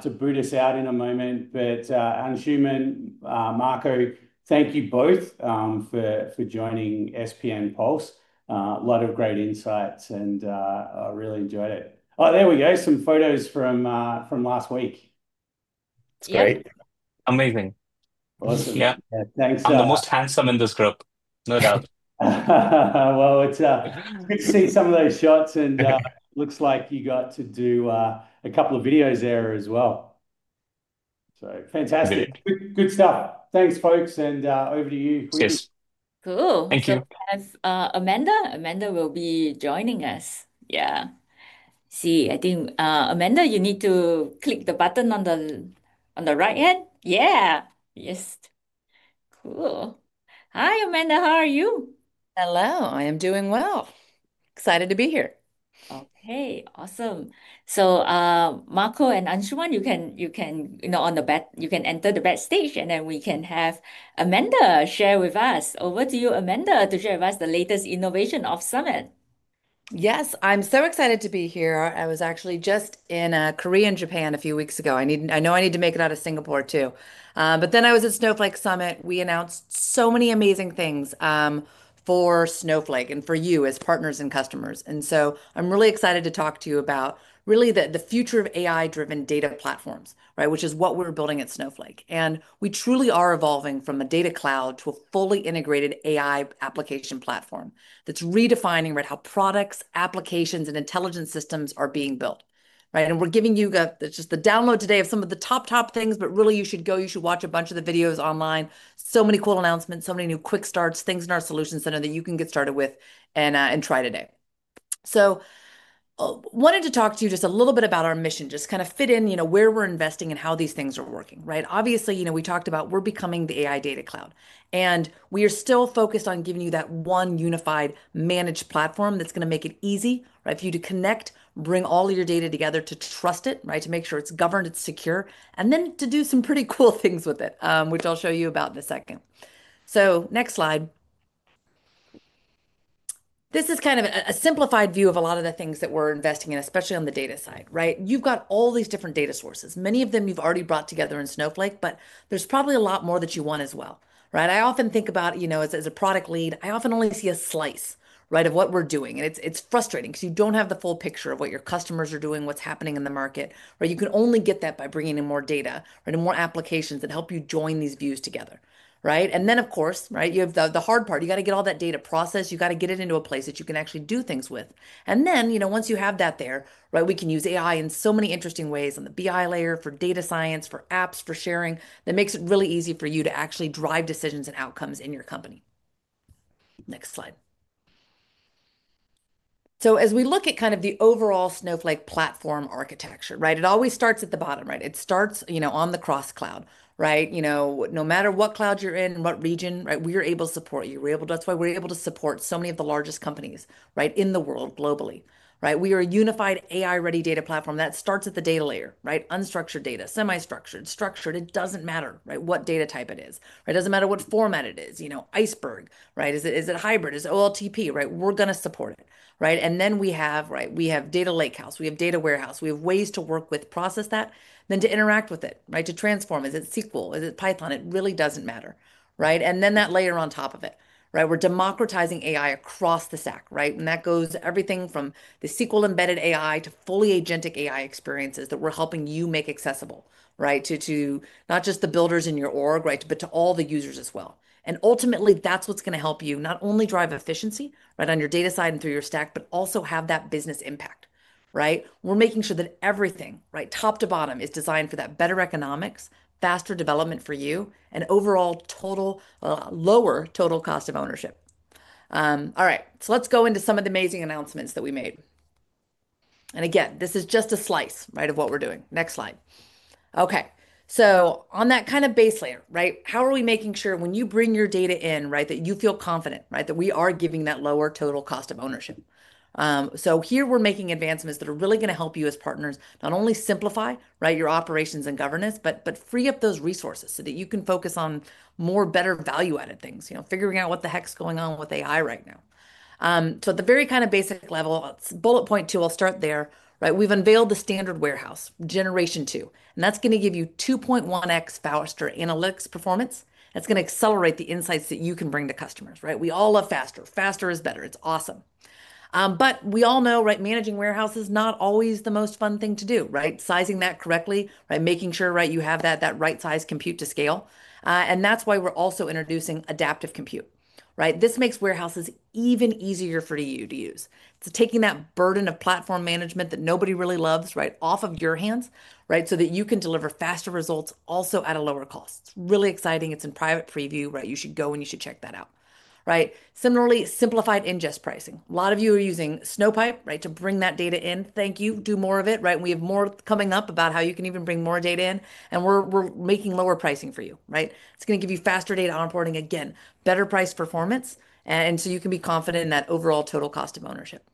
to boot us out in a moment, but Anshuman, Marco, thank you both for joining SPN Pulse. A lot of great insights, and I really enjoyed it. Oh, there we go. Some photos from last week. It's great. Amazing. Awesome. Yeah, thanks. I'm the most handsome in this group, no doubt. It is good to see some of those shots and looks like you got to do a couple of videos there as well. Fantastic. Good stuff. Thanks, folks. And over to you. Yes. Cool. Thank you, Amanda. Amanda will be joining us. Yeah. See, I think, Amanda, you need to click the button on the right hand. Yeah. Yes. Cool. Hi, Amanda. How are you? Hello. I am doing well. Excited to be here. Okay, awesome. Marco and Anshuman, you can, you know, on the back, you can enter the back stage, and then we can have Amanda share with us. Over to you, Amanda, to share with us the latest innovation of Summit. Yes. I'm so excited to be here. I was actually just in Korea and Japan a few weeks ago. I know I need to make it out to Singapore, too, but I was at Snowflake Summit. We announced so many amazing things for Snowflake and for you. As partners and customers, I'm really excited to talk to you about really the future of AI-driven data platforms, which is what we're building at Snowflake. We truly are evolving from a data cloud to a fully integrated AI application platform that's redefining how products, applications, and intelligent systems are being built. We're giving you just the download today of some of the top things. Really, you should go, you should watch a bunch of the videos online. So many cool announcements, so many new quick starts, things in our solutions center that you can get started with and try today. I wanted to talk to you just a little bit about our mission. Just kind of fit in, you know, where we're investing and how these things are working. Right. Obviously, you know, we talked about, we're becoming the AI data cloud and we are still focused on giving you that one unified managed platform that's going to make it easy for you to connect, bring all your data together, to trust it, right. To make sure it's governed, it's secure, and then to do some pretty cool things with it, which I'll show you about in a second. Next slide. This is kind of a simplified view of a lot of the things that we're investing in, especially on the data side. Right. You've got all these different data sources, many of them you've already brought together in Snowflake. There's probably a lot more that you want as well, right. I often think about, you know, as a product lead, I often only see a slice, right, of what we're doing and it's frustrating because you don't have the full picture of what your customers are doing, what's happening in the market, or you can only get that by bringing in more data, right, and more applications that help you join these views together, right. Of course, right, you have the hard part. You got to get all that data processed, you got to get it into a place that you can actually do things with. And then, you know, once you have that there's. Right. We can use AI in so many interesting ways on the BI layer for data science, for apps, for sharing. That makes it really easy for you to actually drive decisions and outcomes in your company. Next slide. As we look at kind of the overall Snowflake platform architecture, right, it always starts at the bottom, right. It starts, you know, on the cross cloud, right. You know, no matter what cloud you're in, what region, right, we are able to support you, we're able to. That's why we're able to support so many of the largest companies, right, in the world, globally, right? We are a unified AI ready data platform that starts at the data layer, right? Unstructured data, semi structured, structured. It doesn't matter, right, what data type it is, it doesn't matter what format it is. You know, Iceberg, right? Is it, is it hybrid? Is OLTP, right? We're going to support it, right? We have Data Lakehouse, we have Data Warehouse, we have ways to work with, process that then to interact with it, right? To transform. Is it SQL, is it Python? It really doesn't matter. That layer on top of it, we're democratizing AI across the stack, right? That goes everything from the SQL embedded AI to fully agentic AI experiences that we're helping you make accessible to not just the builders in your org, but to all the users as well. Ultimately that's what's going to help you not only drive efficiency on your data side and through your stack, but also have that business impact. We're making sure that everything top to bottom is designed for that. Better economics, faster development for you and overall lower total cost of ownership. All right, so let's go into some of the amazing announcements that we made and again this is just a slice, right, of what we're doing. Next slide. Okay, so on that kind of base layer, right, how are we making sure when you bring your data in, right, that you feel confident, right, that we are giving that lower total cost of ownership. So here we're making advancements that are really going to help you as partners, not only simplify your operations and governance, but free up those resources so that you can focus on more, better value added things. Figuring out what the heck's going on with AI right now. So at the very kind of basic level, bullet point two, I'll start there, right, we've unveiled the standard warehouse generation 2 and that's going to give you 2.1 times faster analytics performance. That's going to accelerate the insights that you can bring to customers, right? We all love faster. Faster is better. It's awesome. We all know, right, managing warehouse is not always the most fun thing to do, right? Sizing that correctly, making sure you have that right size compute to scale. That's why we're also introducing adaptive compute. This makes warehouses even easier for you to use. It's taking that burden of platform management that nobody really loves off of your hands so that you can deliver faster results also at a lower cost. It's really exciting. It's in private preview, you should go and you should check that out. Right. Similarly, simplified ingest pricing. A lot of you are using Snowpipe, right, to bring that data in. Thank you. Do more of it. Right. We have more coming up about how you can even bring more data in. We're making lower pricing for you. Right. It's going to give you faster data onboarding, again, better price performance, and you can be confident in that overall total cost of ownership.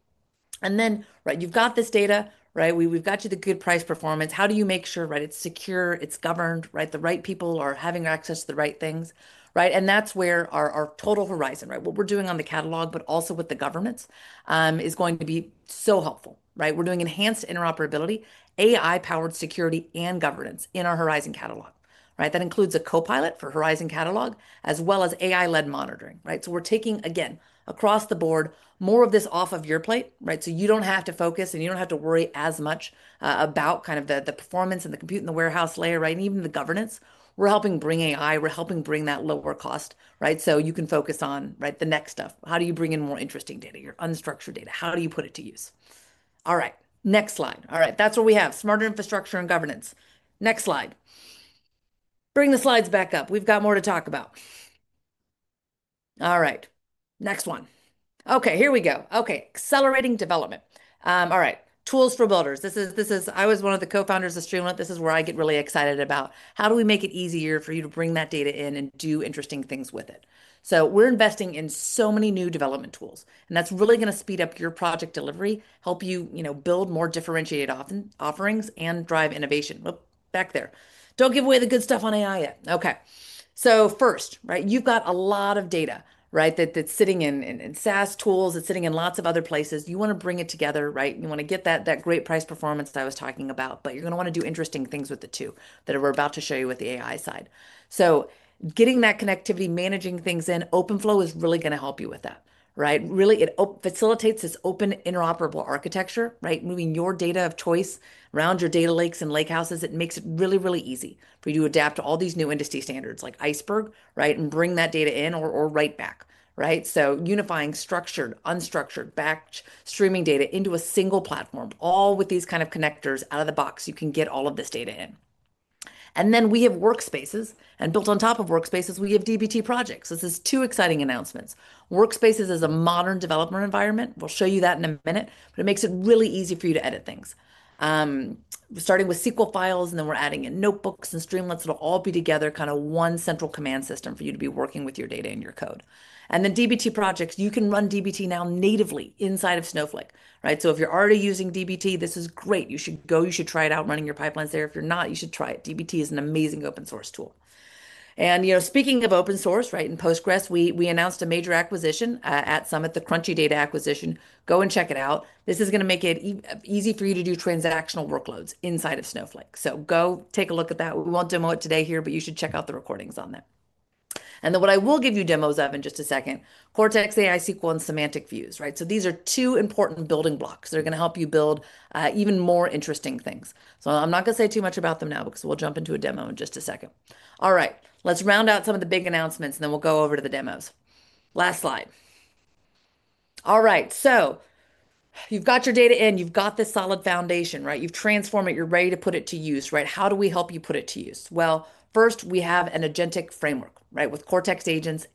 You've got this data, right? We've got you the good price performance. How do you make sure, right, it's secure, it's governed, right, the right people are having access to the right things, right? That's where our total Horizon, what we're doing on the catalog, but also with the governance, is going to be so helpful, right? We're doing enhanced interoperability, AI-powered security and governance in our Horizon catalog. That includes a Copilot for Horizon catalog as well as AI-led monitoring. We're taking again, across the board, more of this off of your plate, right. You don't have to focus and you don't have to worry as much about kind of the performance and the compute in the warehouse layer, right. Even the governance. We're helping bring AI, we're helping bring that lower cost, right. You can focus on, right, the next stuff. How do you bring in more interesting data, your unstructured data, how do you. Put it to use? All right, next slide. All right, that's what we have. Smarter infrastructure and governance. Next slide. Bring the slides back up. We've got more to talk about. All right, next one. Okay, here we go. Okay. Accelerating development. All right, tools for builders. This is, this is. I was one of the co-founders of Streamlit. This is where I get really excited about how do we make it easier for you to bring that data in and do interesting things with it. So we're investing in so many new development tools and that's really going to speed up your project delivery, help you build more differentiated offerings, and drive innovation back there. Don't give away the good stuff on AI. Okay, so first, right, you've got a lot of data, right, that's sitting in SaaS tools, it's sitting in lots of other places. You want to bring it together, right? You want to get that great price perfect performance that I was talking about. You're going to want to do interesting things with the two that we're about to show you with the AI side, so getting that connectivity, managing things in OpenFlow is really going to help you with that, right? It facilitates this open interoperable architecture, right? Moving your data of choice around your data lakes and lake houses, it makes it really, really easy for you to adapt to all these new industry standards like Iceberg, right? Bring that data in or write back, right? Unifying structured, unstructured, batch, streaming data into a single platform, all with these kind of connectors out of the box, you can get all of this data in. We have Workspaces, and built on top of Workspaces we have dbt projects. This is two exciting announcements. Workspaces is a modern developer environment. We'll show you that in a minute. It makes it really easy for you to edit things, starting with SQL files and then we're adding in Notebooks and Streamlits. It'll all be together, kind of one central command system for you to be working with your data and your code, and then dbt projects. You can run dbt now natively inside of Snowflake, right? If you're already using dbt, this is great. You should go, you should try it out running your pipelines there. If you're not, you should try it. dbt is an amazing open source tool. You know, speaking of open source, in Postgres we announced a major acquisition at Summit, the Crunchy Data acquisition. Go and check it out. This is going to make it easy for you to do transactional workloads inside of Snowflake. Go take a look at that. We will not demo it today here, but you should check out the recordings on that. What I will give you demos of in just a second: Cortex, AI, SQL, and Semantic Views, right? These are two important building blocks that are going to help you build even more interesting things. I am not going to say too much about them now because we will jump into a demo in just a second. All right, let's round out some of the big announcements and then we will go over to the demos, last slide. All right, you have got your data in, you have got this solid foundation, right? You have transformed it, you are ready to put it to use, right? How do we help you put it to use? First, we have an Agentic Framework, right, with Cortex agents.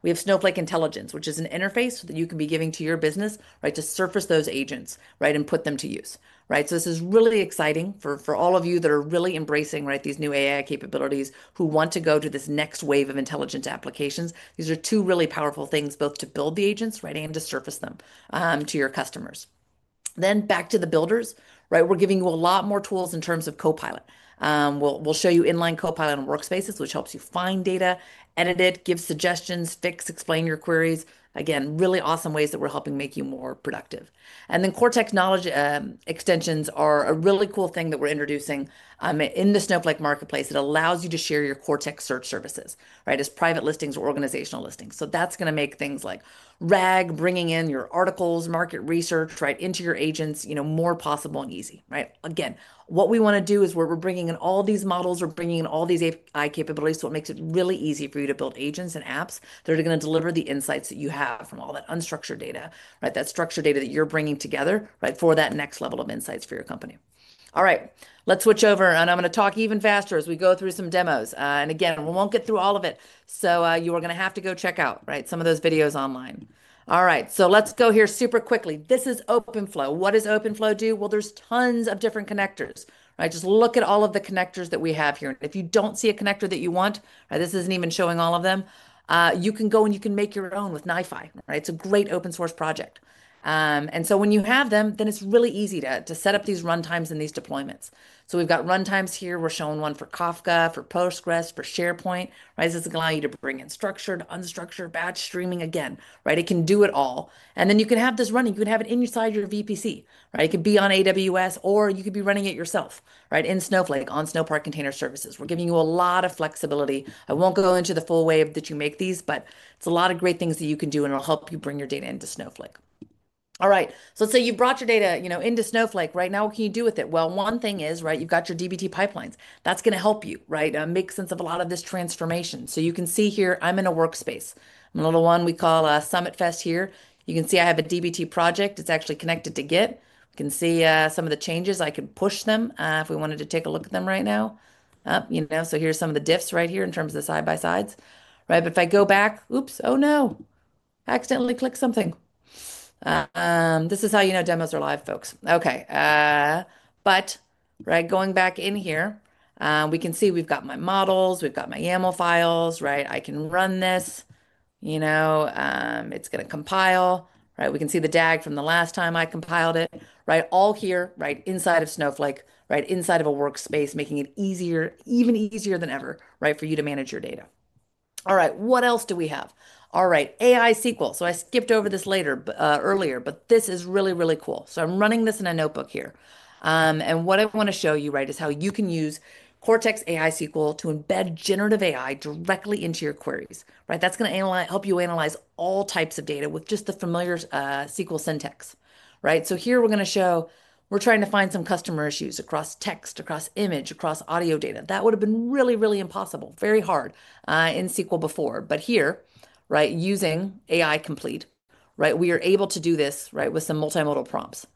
We have Snowflake Intelligence, which is an interface that you can be giving to your business, right, to surface those agents, right, and put them to use, right. This is really exciting for all of you that are really embracing, right, these new AI capabilities who want to go to this next wave of intelligent applications. These are two really powerful things, both to build the agents, right, and to surface them to your customers, then back to the builders. Right. We're giving you a lot more tools in terms of Copilot. We'll show you inline Copilot and Workspaces, which helps you find data, edit it, give suggestions, fix, explain your queries. Again, really awesome ways that we're helping make you more productive. Cortex Knowledge Extensions are a really cool thing that we're introducing in the Snowflake Marketplace that allows you to share your Cortex search services as private listings or organizational listings. That's going to make things like RAG, bringing in your articles, market research, right into your agents more possible and easy. What we want to do is, we're bringing in all these models, bringing in all these AI capabilities. It makes it really easy for you to build agents and apps that are going to deliver the insights that you have from all that unstructured data. Right. That structured data that you're bringing together. Right. For that next level of insights for your company. All right, let's switch over and I'm going to talk even faster as we go through some demos and again, we won't get through all of it. You are going to have to go check out, right, some of those videos online. All right, let's go here super quickly. This is OpenFlow. What does OpenFlow do? There are tons of different connectors. Just look at all of the connectors that we have here. If you don't see a connector that you want, this isn't even showing all of them. You can go and you can make your own with NiFi. It's a great open source project. When you have them, then it's really easy to set up these runtimes and these deployments. We've got runtimes here. We're showing one for Kafka, for Postgres, for SharePoint. Right. This is allow you to bring in structured, unstructured, batch, streaming again. Right. It can do it all. And then you can have this running. You can have it inside your VPC. Right. It could be on AWS or you could be running it yourself. Right. In Snowflake, on Snowpark Container Services, we're giving you a lot of flexibility. I won't go into the full way that you make these, but it's a lot of great things that you can do and it'll help you bring your data into Snowflake. All right, say you brought your data, you know, into Snowflake right now. What can you do with it? One thing is, right, you've got your dbt pipelines. That's going to help you, right, make sense of a lot of this transformation. You can see here, I'm in a workspace, little one we call Summit Fest. Here you can see I have a dbt project. It's actually connected to Git. You can see some of the changes. I can push them if we wanted to take a look at them right now. Here are some of the diffs right here in terms of the side by sides. If I go back. Oops. Oh, no. Accidentally click something. This is how, you know, demos are live, folks. Okay, but going back in here, we can see we've got my models, we've got my YAML files, I can run this. It's going to compile. We can see the DAG from the last time. I compiled it all here inside of Snowflake, inside of a workspace, making it even easier than ever for you to manage your data. What else do we have? AI SQL. I skipped over this earlier, but this is really, really cool. I'm running this in a notebook here and what I want to show you is how you can use Cortex AI SQL to embed generative AI directly into your queries. That's going to help you analyze all types of data with just the familiar SQL syntax. Here we're going to show we're trying to find some customer issues across text, across image, across audio data that would have been really, really impossible, very hard in SQL before. Here, using AI Complete, we are able to do this with some multimodal prompts.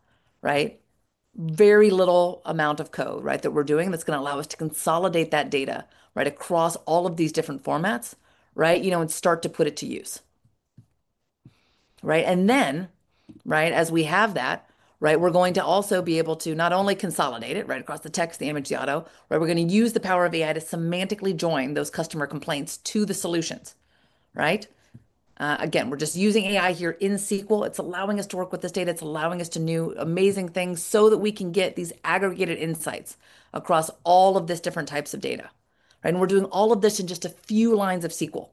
Very little amount of code that we're doing that's going to allow us to consolidate that data across all of these different formats and start to put it to use. As we have that, we're going to also be able to not only consolidate it across the text, the image, the audio, we're going to use the power of AI to semantically join those customer complaints to the solutions. Right? Again, we're just using AI here in SQL. It's allowing us to work with this data, it's allowing us to do new amazing things so that we can get these aggregated insights across all of these different types of data. We're doing all of this in just a few lines of SQL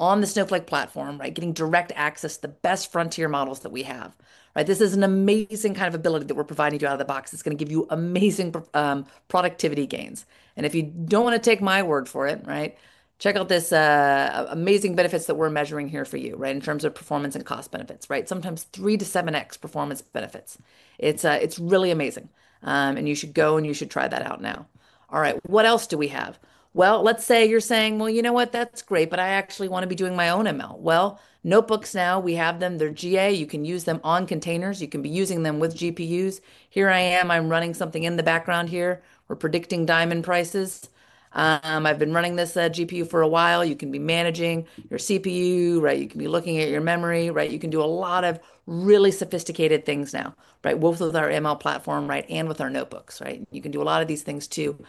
on the Snowflake platform, getting direct access, the best frontier models that we have. This is an amazing kind of ability that we're providing you out of the box. It's going to give you amazing performance, productivity gains. If you don't want to take my word for it, right, check out these amazing benefits that we're measuring here for you, right? In terms of performance and cost benefits, sometimes three-seven times performance benefits. It's really amazing. You should go and you should try that out now. All right, what else do we have? Let's say you're saying, well, you know what, that's great, but I actually want to be doing my own ML. Notebooks, now we have them, they're GA. You can use them on containers, you can be using them with GPUs. Here I am, I'm running something in the background here. We're predicting diamond prices. I've been running this GPU for a while. You can be managing your CPU, right? You can be looking at your memory. You can do a lot of really sophisticated things now, both with our ML platform and with our notebooks. You can do a lot of these things too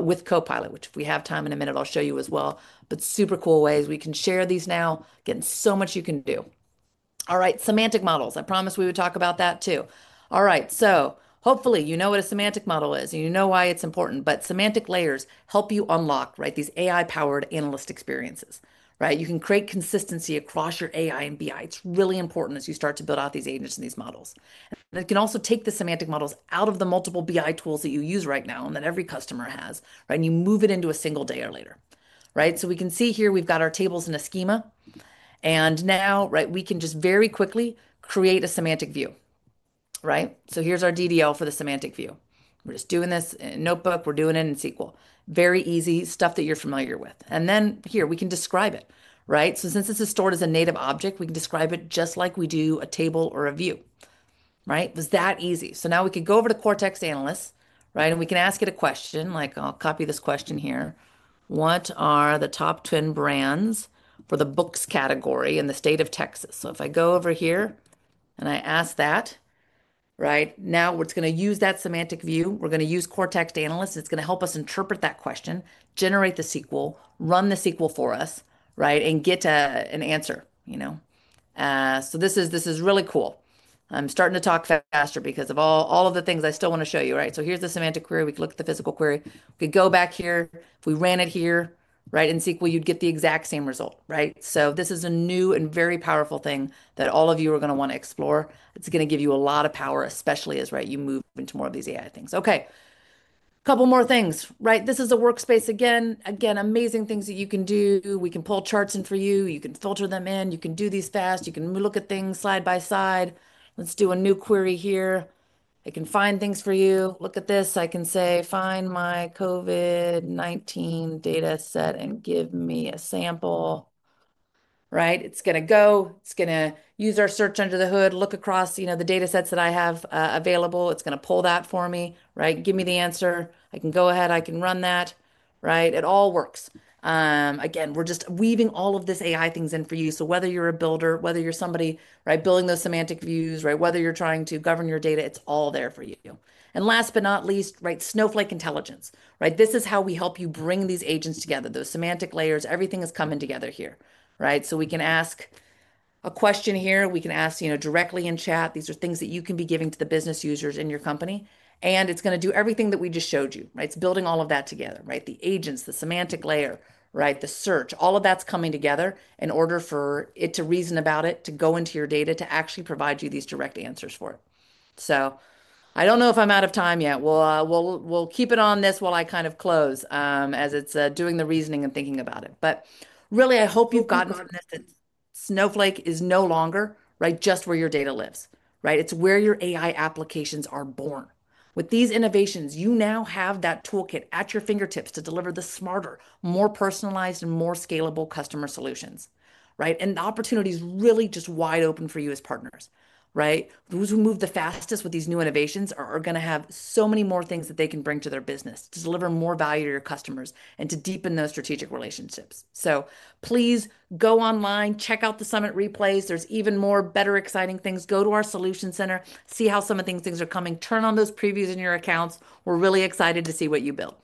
with Copilot, which if we have time in a minute, I'll show you as well. Super cool ways we can share these now. Getting so much you can do. All right, semantic models. I promised we would talk about that too. All right, so hopefully you know what a semantic model is and you know why it's important. Semantic layers help you unlock, right, these AI powered analyst experiences, right? You can create consistency across your AI and BI. It's really important as you start to build out these agents and these models. It can also take the semantic models out of the multiple BI tools that you use right now and that every customer has, right? You move it into a single data layer, right? We can see here we've got our tables in a schema and now, right, we can just very quickly create a View, right? Here's our DDL for the Semantic View. We're just doing this notebook, we're doing it in SQL. Very easy stuff that you're familiar with. Then here we can describe it, right? Since this is stored as a native object, we can describe it just like we do a table or a view, right? Was that easy. Now we could go over to cortex Analysts and we can ask it a question like, I'll copy this question here. What are the top 10 brands for the books category in the state of Texas? If I go over here and I ask that, right? Now it's going to use that Semantic View. We're going to use cortex Analysts. It's going to help us interpret that question, generate the SQL, run the SQL for us, right? And get an answer. You know, this is really cool. I'm starting to talk faster because of all of the things I still want to show you, right? Here's the semantic query. We can look at the physical query. We could go back here. If we ran it here, right, in SQL, you'd get the exact same result, right? This is a new and very powerful thing that all of you are going to want to explore. It's going to give you a lot of power, especially as you move into more of these AI things. Okay, couple more things, right? This is a workspace again. Amazing things that you can do. We can pull charts in for you, you can filter them in, you can do these fast. You can look at things side by side. Let's do a new query here. I can find things for you. Look at this. I can say, find my COVID 19 data set and give me a sample, right? It's going to go, it's going to use our search under the hood, look across, you know, the data sets that I have available. It's going to pull that for me, right? Give me the answer, I can go ahead, I can run that. It all works again, we're just weaving all of this AI things in for you. Whether you're a builder, whether you're somebody building those Semantic Views, whether you're trying to govern your data, it's all there for you. Last but not least, Snowflake Intelligence. This is how we help you bring these agents together, those semantic layers. Everything is coming together here. We can ask a question here, we can ask directly in chat. These are things that you can be giving to the business users in your company. It's going to do everything that we just showed you, right? It's building all of that together, right? The agents, the semantic layer. Right, the search, all of that's coming together in order for it to reason about it, to go into your data, to actually provide you these direct answers for it. I don't know if I'm out of time yet. We'll keep it on this while I kind of close as it's doing the reasoning and thinking about it. I hope you've gotten from this. Snowflake is no longer, right, just where your data lives, right? It's where your AI applications are born. With these innovations, you now have that toolkit at your fingertips to deliver the smarter, more personalized and more scalable customer solutions. Opportunities really just wide open for you as partners. Right. Those who move the fastest with these new innovations are going to have so many more things that they can bring to their business to deliver more value to your customers and to deepen those strategic relationships. Please go online, check out the summit replays. There are even more better, exciting things. Go to our solutions center, see how some of these things are coming. Turn on those previews in your accounts. We're really excited to see what you build.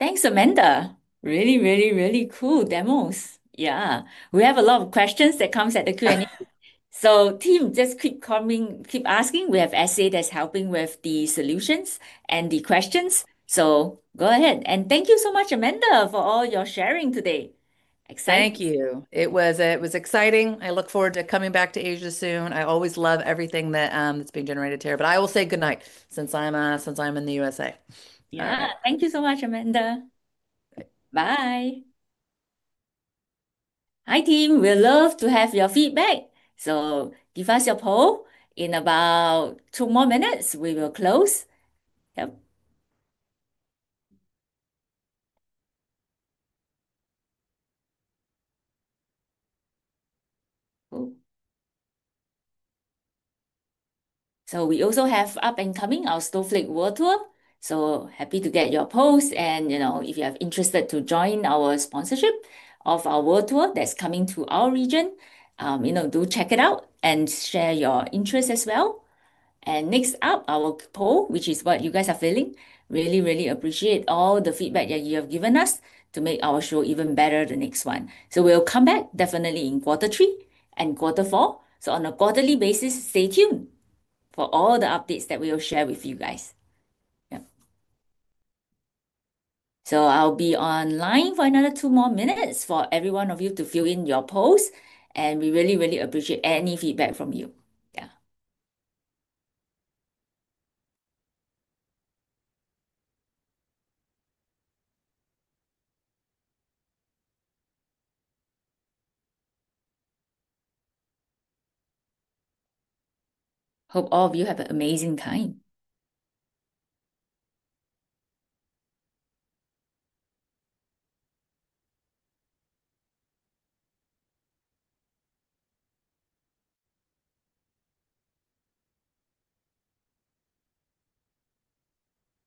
Thanks Amanda. Really, really cool demos. Yeah, we have a lot of questions that come at the Q and A. Team, just keep coming, keep asking. We have SA that's helping with the solutions and the questions. Go ahead. Thank you so much Amanda for all your sharing today. Exciting. Thank you. It was exciting. I look forward to coming back to Asia soon. I always love everything that's being generated here. I will say goodnight since I'm in the U.S. Thank you so much Amanda. Bye. Hi team. We love to have your feedback. So give us your poll. In about two more minutes we will close. Yep. We also have up and coming our Snowflake World Tour. So happy to get your post and you know if you have interested to join our sponsorship of our World Tour that's coming to our region, you know, do check it out and share your interest as well. Next up, our poll, which is what you guys are feeling. Really, really appreciate all the feedback that you have given us to make our show even better, the next one. We'll come back definitely in quarter three and quarter four. On a quarterly basis, stay tuned for all the updates that we will share with you guys. I'll be online for another two more minutes for every one of you to fill in your post and we really, really appreciate any feedback from you. Hope all of you have an amazing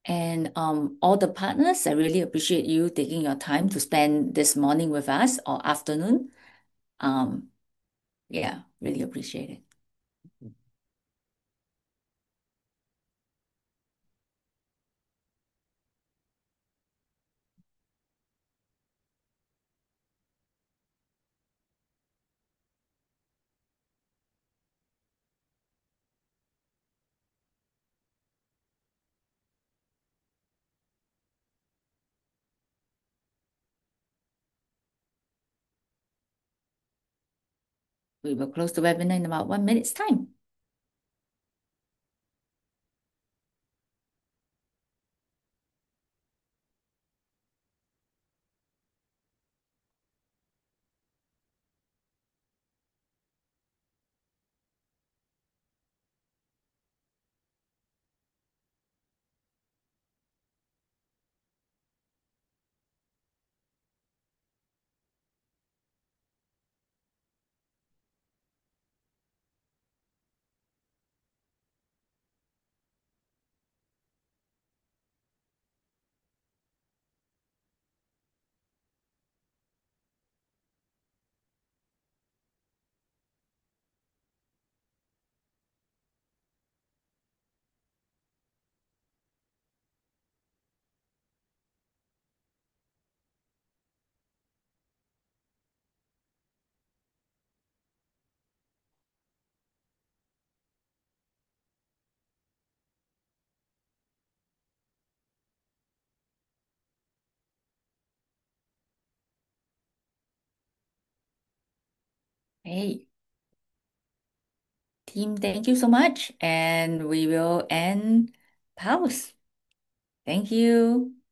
and all the partners, I really appreciate you taking your time to spend this morning with us or afternoon. Yeah, really appreciate it. We will close the webinar in about one minute's time. Hey. Team, thank you so much and we will end, pals. Thank you.